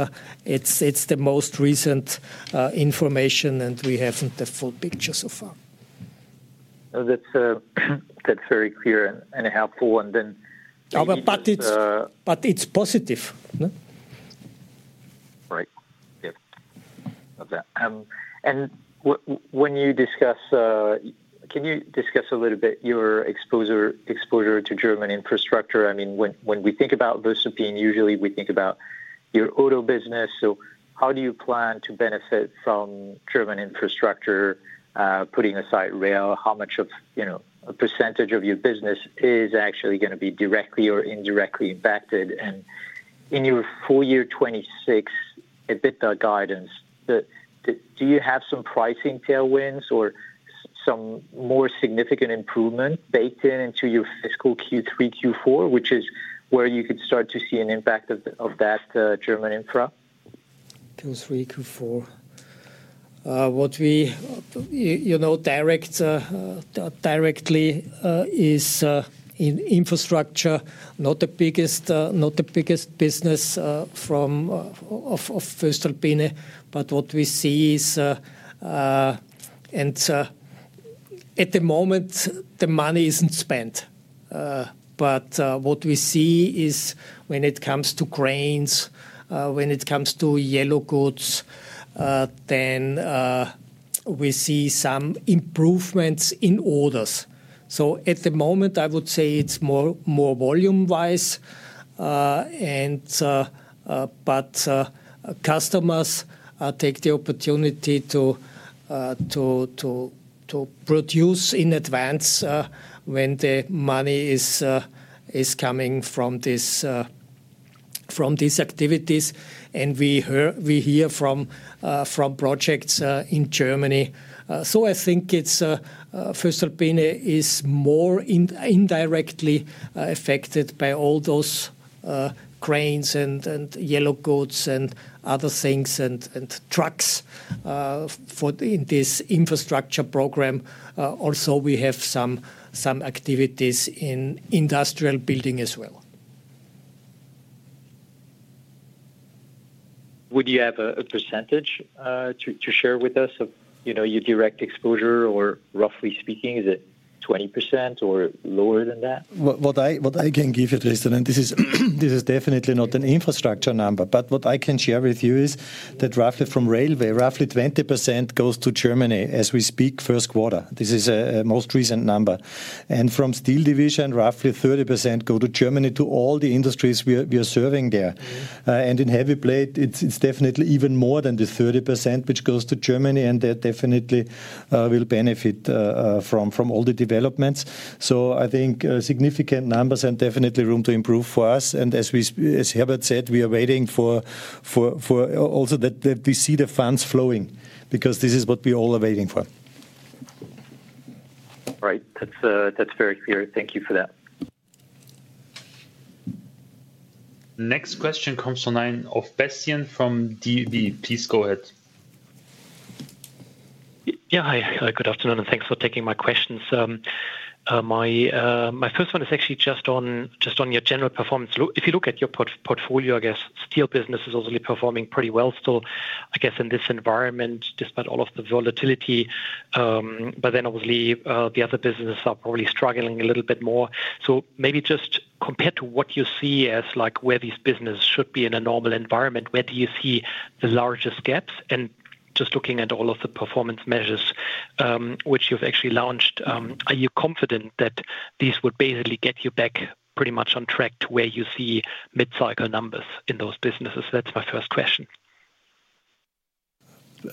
it's the most recent information and we haven't the full picture so far. That's very clear and helpful. It is positive. Right. Yeah. Love that. Can you discuss a little bit your exposure to German infrastructure? I mean, when we think about voestalpine, usually we think about your auto business. How do you plan to benefit from German infrastructure, putting aside rail? How much of a percentage of your business is actually going to be directly or indirectly impacted? In your full year 2026 EBITDA guidance, do you have some pricing tailwinds or some more significant improvement baked in into your fiscal Q3, Q4, which is where you could start to see an impact of that German infra? Q3, Q4. What we directly see is in infrastructure, not the biggest business of voestalpine AG. What we see is, at the moment, the money isn't spent. What we see is when it comes to cranes, when it comes to yellow goods, we see some improvements in orders. At the moment, I would say it's more volume-wise. Customers take the opportunity to produce in advance when the money is coming from these activities. We hear from projects in Germany. I think voestalpine AG is more indirectly affected by all those cranes and yellow goods and other things and trucks in this infrastructure program. We have some activities in industrial building as well. Would you have a percentage to share with us of your direct exposure, or roughly speaking, is it 20% or lower than that? What I can give at least, and this is definitely not an infrastructure number, but what I can share with you is that roughly from railway, roughly 20% goes to Germany as we speak first quarter. This is a most recent number. From steel division, roughly 30% go to Germany to all the industries we are serving there. In heavy plate, it's definitely even more than the 30% which goes to Germany, and that definitely will benefit from all the developments. I think significant numbers and definitely room to improve for us. As Herbert said, we are waiting for also that we see the funds flowing because this is what we all are waiting for. All right. That's very clear. Thank you for that. Next question comes from the line of Bastian Synagowitz from DB. Please go ahead. Yeah. Hi. Good afternoon, and thanks for taking my questions. My first one is actually just on your general performance. If you look at your portfolio, I guess steel business is obviously performing pretty well still, I guess, in this environment despite all of the volatility. Obviously, the other businesses are probably struggling a little bit more. Maybe just compared to what you see as like where these businesses should be in a normal environment, where do you see the largest gaps? Just looking at all of the performance measures which you've actually launched, are you confident that these would basically get you back pretty much on track to where you see mid-cycle numbers in those businesses? That's my first question.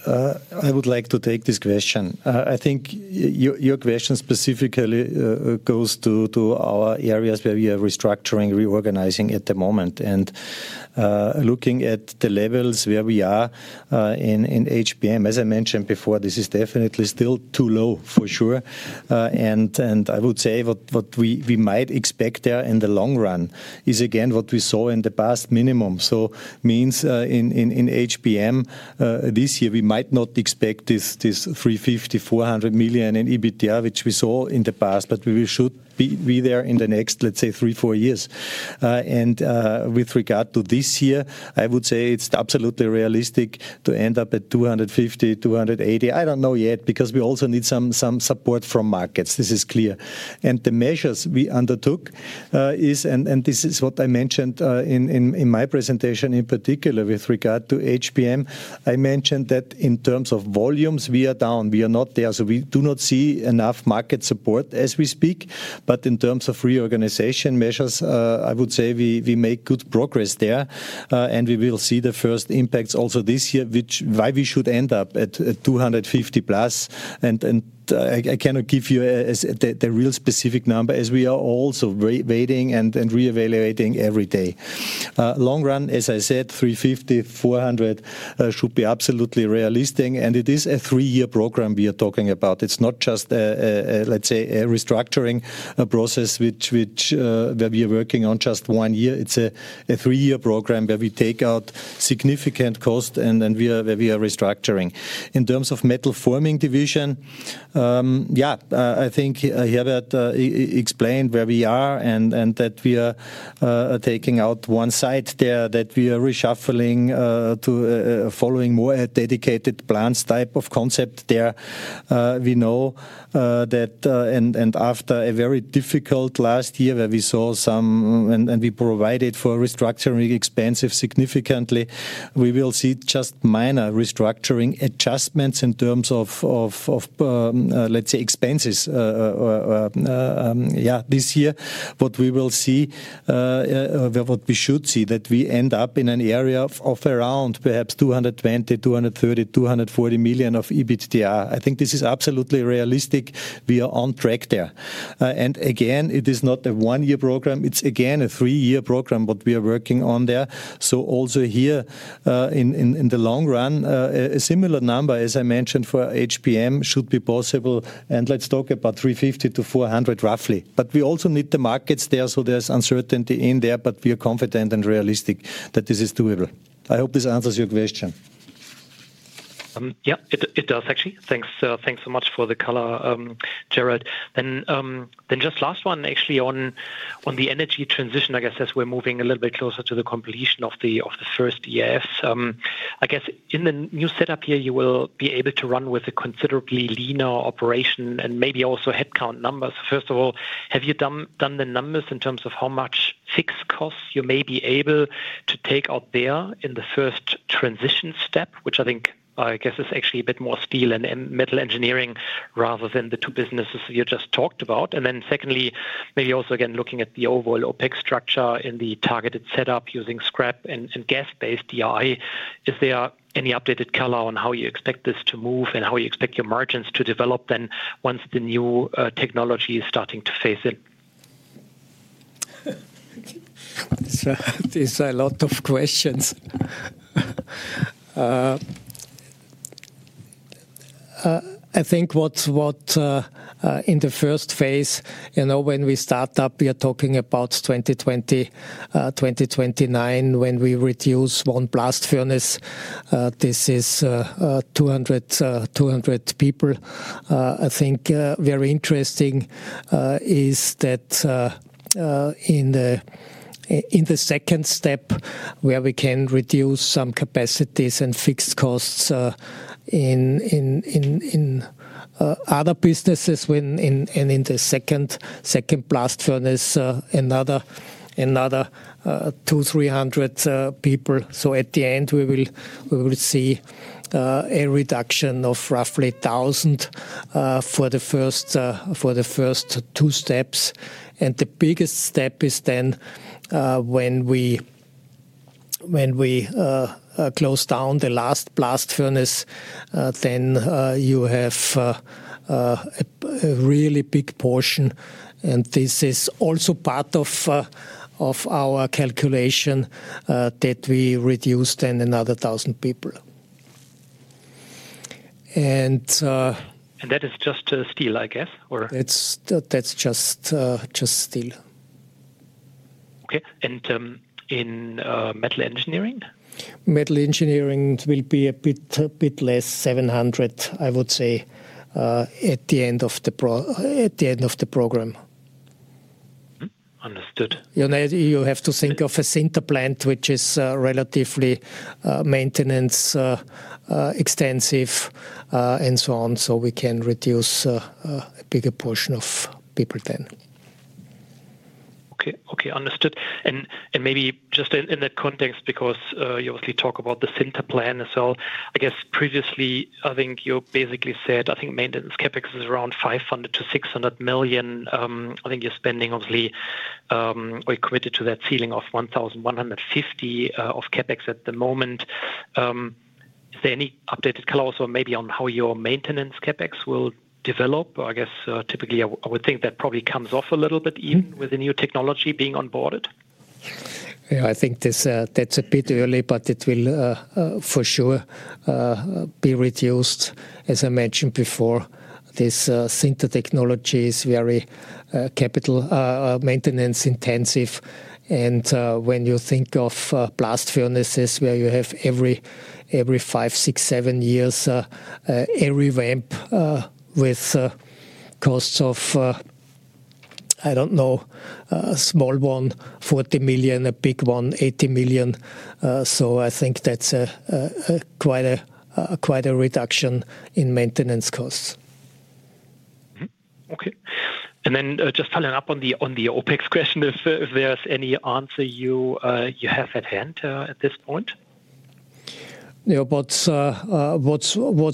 I would like to take this question. I think your question specifically goes to our areas where we are restructuring, reorganizing at the moment. Looking at the levels where we are in HPM, as I mentioned before, this is definitely still too low for sure. I would say what we might expect there in the long run is, again, what we saw in the past minimum. It means in HPM this year, we might not expect this 350 million, 400 million in EBITDA, which we saw in the past, but we should be there in the next, let's say, three, four years. With regard to this year, I would say it's absolutely realistic to end up at 250 million, 280 million. I don't know yet because we also need some support from markets. This is clear. The measures we undertook, and this is what I mentioned in my presentation in particular with regard to HPM. I mentioned that in terms of volumes, we are down. We are not there. We do not see enough market support as we speak. In terms of reorganization measures, I would say we make good progress there. We will see the first impacts also this year, which is why we should end up at 250+ million. I cannot give you the real specific number as we are also waiting and reevaluating every day. Long run, as I said, 350 million, 400 million should be absolutely realistic. It is a three-year program we are talking about. It's not just a, let's say, a restructuring process which we are working on just one year. It's a three-year program where we take out significant cost and where we are restructuring. In terms of metal forming division, I think Herbert explained where we are and that we are taking out one site there, that we are reshuffling to following more a dedicated plants type of concept there. We know that, and after a very difficult last year where we saw some, and we provided for restructuring expenses significantly, we will see just minor restructuring adjustments in terms of, let's say, expenses or, yeah, this year. What we will see, what we should see, that we end up in an area of around perhaps 220 million, 230 million, 240 million of EBITDA. I think this is absolutely realistic. We are on track there. It is not a one-year program. It's again a three-year program what we are working on there. Also here in the long run, a similar number, as I mentioned, for HPM should be possible. Let's talk about 350 million-400 million roughly. We also need the markets there. There is uncertainty in there, but we are confident and realistic that this is doable. I hope this answers your question. Yeah, it does, actually. Thanks so much for the color, Gerald. Just last one, actually, on the energy transition, I guess, as we're moving a little bit closer to the completion of the first EAFs. I guess in the new setup here, you will be able to run with a considerably leaner operation and maybe also headcount numbers. First of all, have you done the numbers in terms of how much fixed costs you may be able to take out there in the first transition step, which I think, I guess, is actually a bit more steel and metal engineering rather than the two businesses you just talked about? Secondly, maybe also again looking at the overall OpEx structure in the targeted setup using scrap and gas-based DRI. Is there any updated color on how you expect this to move and how you expect your margins to develop then once the new technology is starting to phase in? These are a lot of questions. I think what in the first phase, you know when we start up, we are talking about 2029, when we reduce one blast furnace. This is 200 people. I think very interesting is that in the second step where we can reduce some capacities and fixed costs in other businesses and in the second blast furnace, another 200, 300 people. At the end, we will see a reduction of roughly 1,000 for the first two steps. The biggest step is when we close down the last blast furnace, then you have a really big portion. This is also part of our calculation that we reduce then another 1,000 people. That is just steel, I guess, or? That's just steel. Okay. In metal engineering? Metal engineering will be a bit less, 700 million, I would say, at the end of the program. Understood. You have to think of a center plant, which is relatively maintenance extensive, and so on. We can reduce a bigger portion of people then. Okay. Understood. Maybe just in the context, because you obviously talk about the center plan as well, I guess previously, I think you basically said, I think maintenance CapEx is around 500 million-600 million. I think you're spending, obviously, or you're committed to that ceiling of 1,150 million of CapEx at the moment. Are there any updated colors or maybe on how your maintenance CapEx will develop? I guess typically, I would think that probably comes off a little bit even with the new technology being onboarded. Yeah, I think that's a bit early, but it will for sure be reduced. As I mentioned before, this center technology is very capital maintenance intensive. When you think of blast furnaces where you have every five, six, seven years, every ramp with costs of, I don't know, a small one, 40 million, a big one, 80 million, I think that's quite a reduction in maintenance costs. Okay. Just following up on the OpEx question, if there's any answer you have at hand at this point? Yeah, what's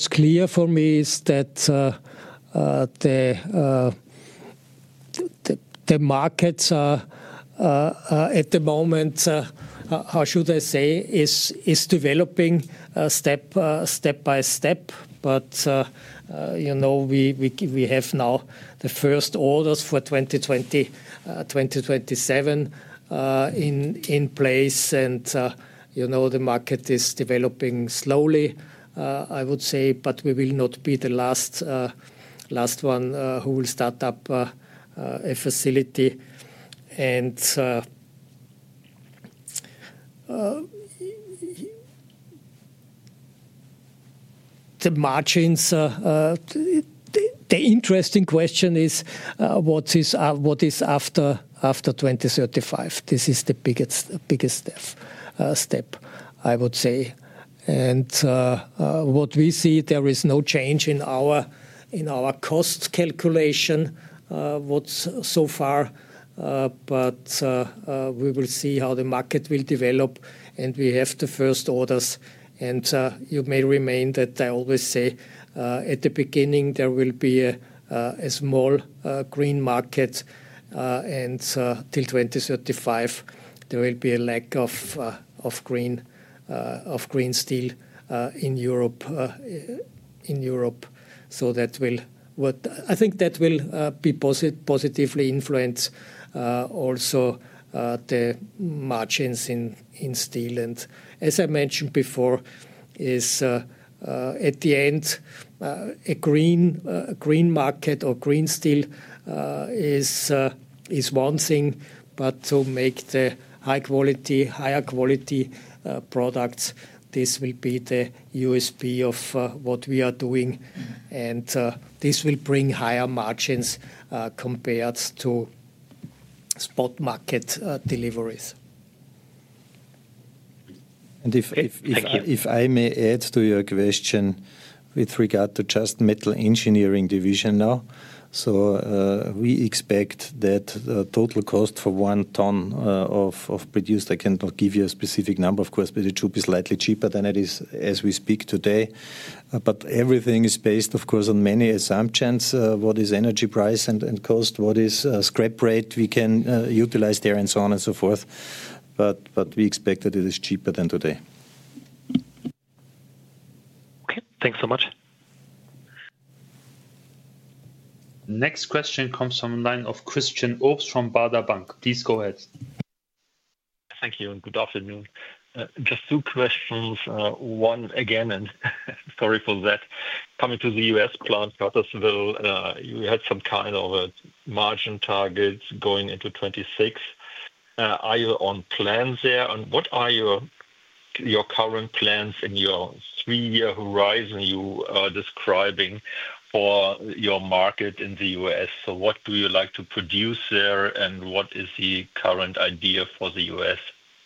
clear for me is that the markets at the moment, how should I say, is developing step by step. You know we have now the first orders for 2027 in place. You know the market is developing slowly, I would say, we will not be the last one who will start up a facility. The margins, the interesting question is what is after 2035? This is the biggest step, I would say. What we see, there is no change in our cost calculation so far, we will see how the market will develop. We have the first orders. You may remain that I always say, at the beginning, there will be a small green market. Till 2035, there will be a lack of green steel in Europe. That will, I think that will positively influence also the margins in steel. As I mentioned before, at the end, a green market or green steel is one thing, but to make the high-quality, higher quality products, this will be the USP of what we are doing. This will bring higher margins compared to spot market deliveries. If I may add to your question with regard to just Metal Engineering Division now, we expect that total cost for one ton of produced, I cannot give you a specific number, of course, but it should be slightly cheaper than it is as we speak today. Everything is based, of course, on many assumptions. What is energy price and cost? What is scrap rate we can utilize there and so on and so forth. We expect that it is cheaper than today. Okay, thanks so much. Next question comes from the line of Christian Obst from Baader Bank. Please go ahead. Thank you. Good afternoon. Just two questions. One again, sorry for that, coming to the U.S. plant. You had some kind of margin targets going into 2026. Are you on plans there? What are your current plans in your three-year horizon you are describing or your market in the U.S.? What do you like to produce there, and what is the current idea for the U.S.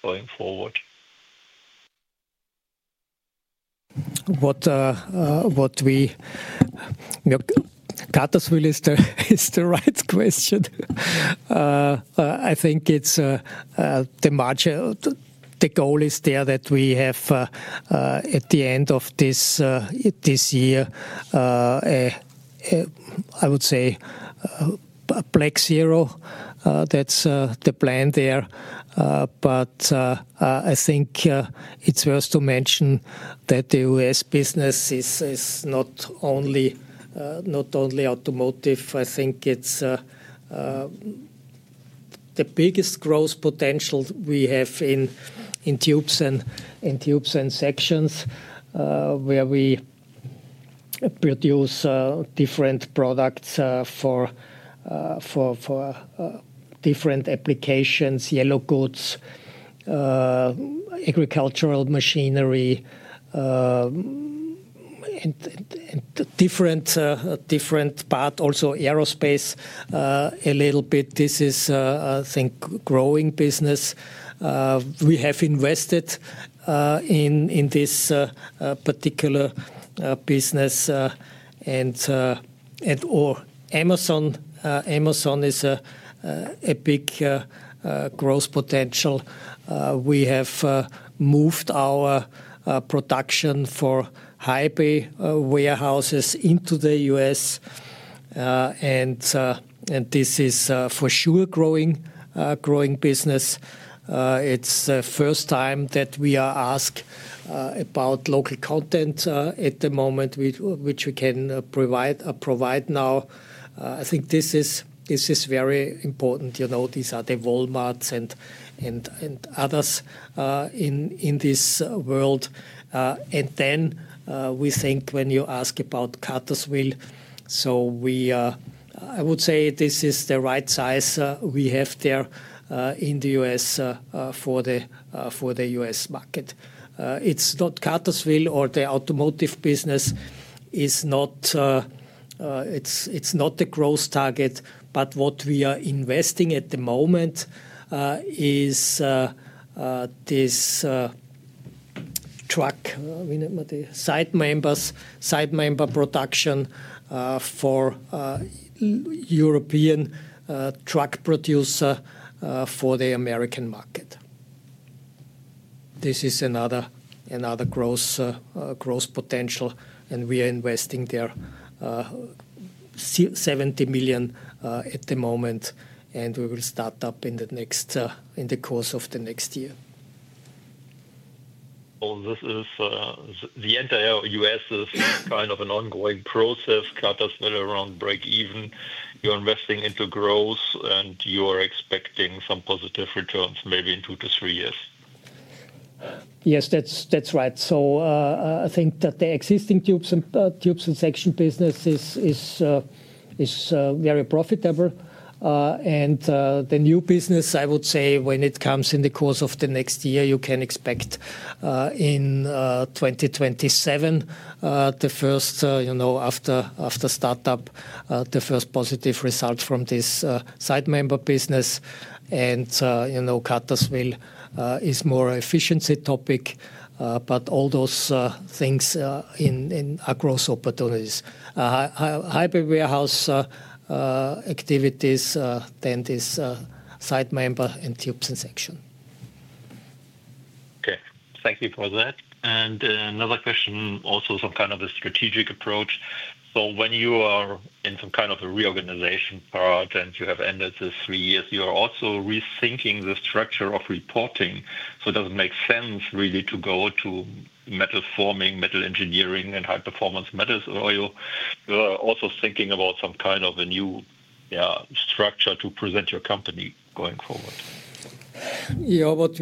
going forward? What we got is really the right question. I think it's the margin. The goal is there that we have at the end of this year, I would say a black zero. That's the plan there. I think it's worth to mention that the U.S. business is not only automotive. I think it's the biggest growth potential we have in tubes and sections where we produce different products for different applications, yellow goods, agricultural machinery, and different parts, also aerospace a little bit. This is, I think, a growing business. We have invested in this particular business, and Amazon is a big growth potential. We have moved our production for high-bay warehouses into the U.S., and this is for sure a growing business. It's the first time that we are asked about local content at the moment, which we can provide now. I think this is very important. You know, these are the Walmarts and others in this world. When you ask about Cuttersville, I would say this is the right size we have there in the U.S. for the U.S. market. It's not Cuttersville or the automotive business. It's not the growth target, but what we are investing at the moment is this truck, side member production for European truck producer for the American market. This is another growth potential, and we are investing there 70 million at the moment, and we will start up in the course of the next year. The entire U.S. is kind of an ongoing process. Cuttersville around break even. You're investing into growth, and you are expecting some positive returns maybe in two to three years. Yes, that's right. I think that the existing tubes and section business is very profitable. The new business, I would say, when it comes in the course of the next year, you can expect in 2027 the first, you know, after startup, the first positive result from this side member business. Cuttersville is more an efficiency topic, but all those things are growth opportunities. High-bay warehouse activities, then this side member and tubes and section. Okay, thank you for that. Another question, also some kind of a strategic approach. When you are in some kind of a reorganization part and you have ended the three years, you are also rethinking the structure of reporting. It doesn't make sense really to go to metal forming, metal engineering, and high performance metals. You're also thinking about some kind of a new, yeah, structure to present your company going forward. Yeah, what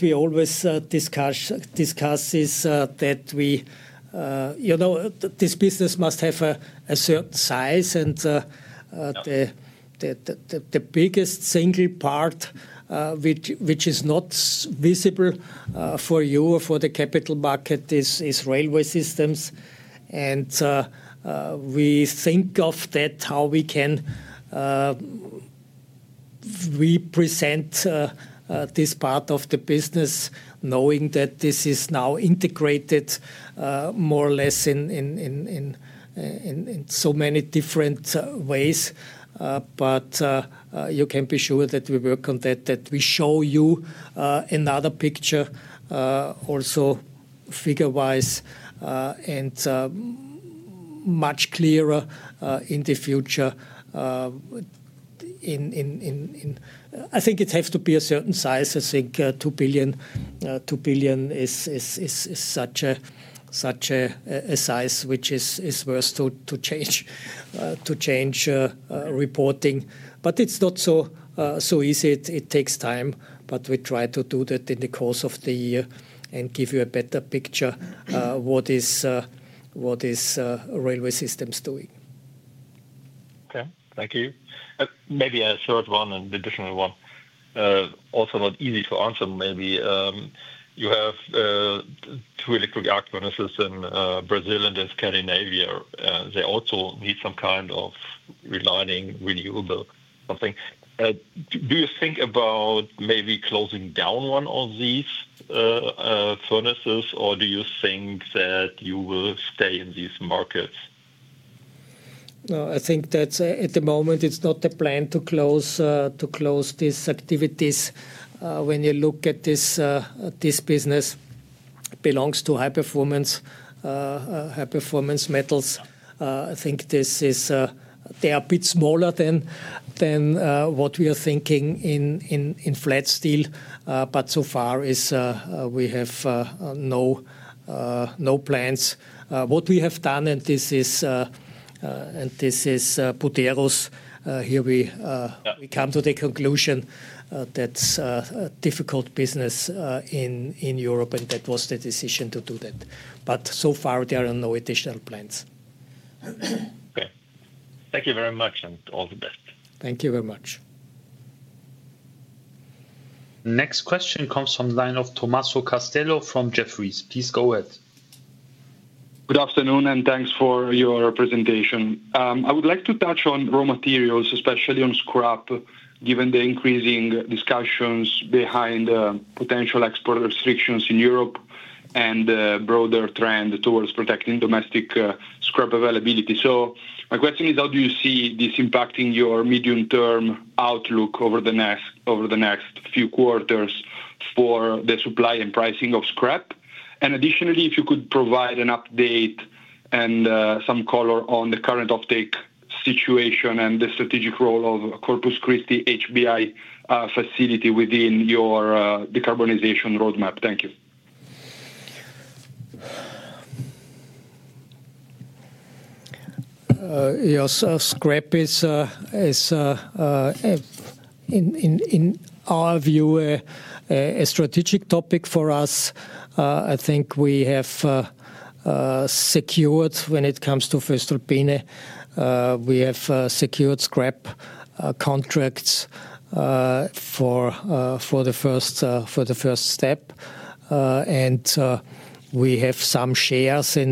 we always discuss is that we, you know, this business must have a certain size. The biggest single part which is not visible for you or for the capital market is railway systems. We think of that, how we can represent this part of the business, knowing that this is now integrated more or less in so many different ways. You can be sure that we work on that, that we show you another picture also figure-wise and much clearer in the future. I think it has to be a certain size. I think 2 billion is such a size which is worth to change reporting. It's not so easy. It takes time. We try to do that in the course of the year and give you a better picture of what is railway systems doing. Okay, thank you. Maybe a short one and a different one. Also not easy to answer. Maybe you have two electric arc furnaces in Brazil and in Scandinavia. They also need some kind of relining, renewable something. Do you think about maybe closing down one of these furnaces, or do you think that you will stay in these markets? No, I think that at the moment it's not the plan to close these activities. When you look at this business, it belongs to High Performance Metals. I think they are a bit smaller than what we are thinking in flat steel. So far we have no plans. What we have done, and this is Buderus, here we come to the conclusion that it's a difficult business in Europe, and that was the decision to do that. So far there are no additional plans. Thank you very much, and all the best. Thank you very much. Next question comes from the line of Tommaso Castello from Jefferies. Please go ahead. Good afternoon and thanks for your presentation. I would like to touch on raw materials, especially on scrap, given the increasing discussions behind potential export restrictions in Europe and the broader trend towards protecting domestic scrap availability. My question is, how do you see this impacting your medium-term outlook over the next few quarters for the supply and pricing of scrap? Additionally, if you could provide an update and some color on the current uptake situation and the strategic role of Corpus Christi HBI facility within your decarbonization roadmap. Thank you. Yes, scrap is, in our view, a strategic topic for us. I think we have secured, when it comes to voestalpine, we have secured scrap contracts for the first step. We have some shares at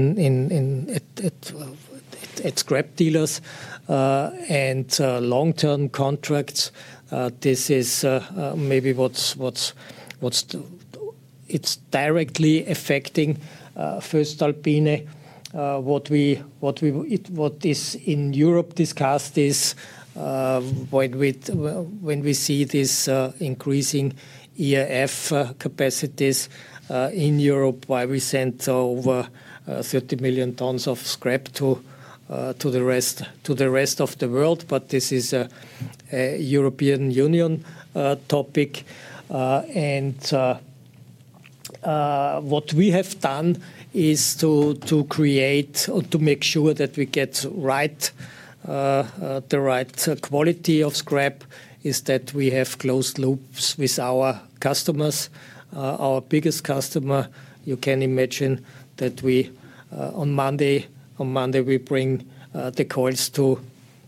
scrap dealers and long-term contracts. This is maybe what's directly affecting voestalpine. What is in Europe discussed is when we see these increasing EAF capacities in Europe, why we send over 30 million tons of scrap to the rest of the world. This is a European Union topic. What we have done to make sure that we get the right quality of scrap is that we have closed loops with our customers. Our biggest customer, you can imagine that on Monday, we bring the coils to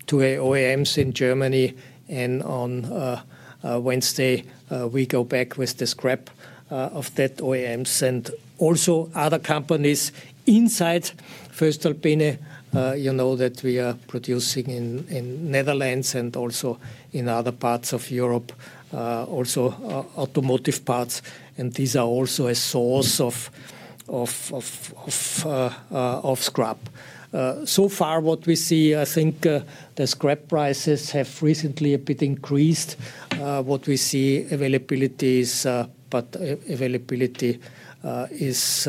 OEMs in Germany, and on Wednesday, we go back with the scrap of that OEMs. Also, other companies inside voestalpine, you know that we are producing in Netherlands and also in other parts of Europe, also automotive parts. These are also a source of scrap. So far, what we see, I think the scrap prices have recently a bit increased. What we see is availability, but availability is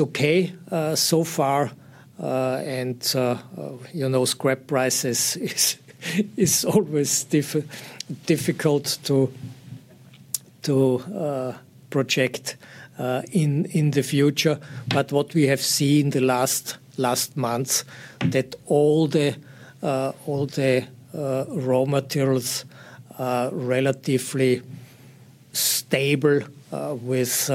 okay so far. You know, scrap prices is always difficult to project in the future. What we have seen in the last months is that all the raw materials are relatively stable with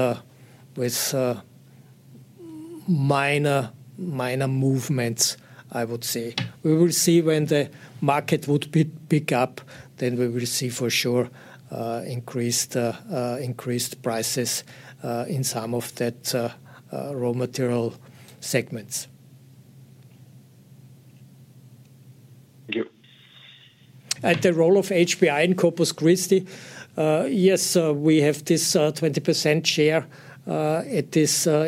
minor movements, I would say. We will see when the market would pick up, we will see for sure increased prices in some of that raw material segments. At the role of HBI in Corpus Christi, yes, we have this 20% share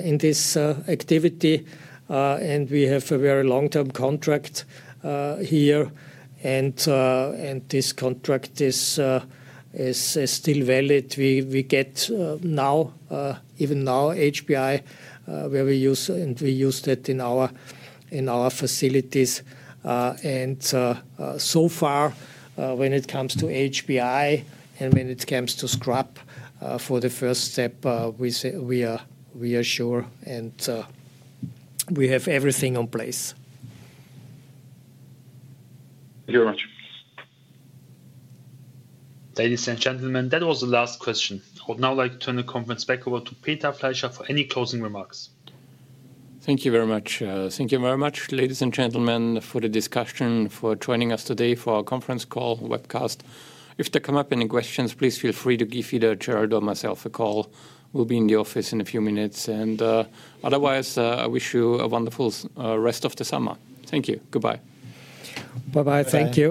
in this activity, and we have a very long-term contract here. This contract is still valid. We get now, even now, HBI, where we use, and we use that in our facilities. So far, when it comes to HBI and when it comes to scrap for the first step, we are sure, and we have everything in place. Thank you very much. Ladies and gentlemen, that was the last question. I would now like to turn the conference back over to Peter Fleischer for any closing remarks. Thank you very much. Thank you very much, ladies and gentlemen, for the discussion, for joining us today for our conference call webcast. If there come up any questions, please feel free to give either Gerald or myself a call. We'll be in the office in a few minutes. Otherwise, I wish you a wonderful rest of the summer. Thank you. Goodbye. Bye-bye. Thank you.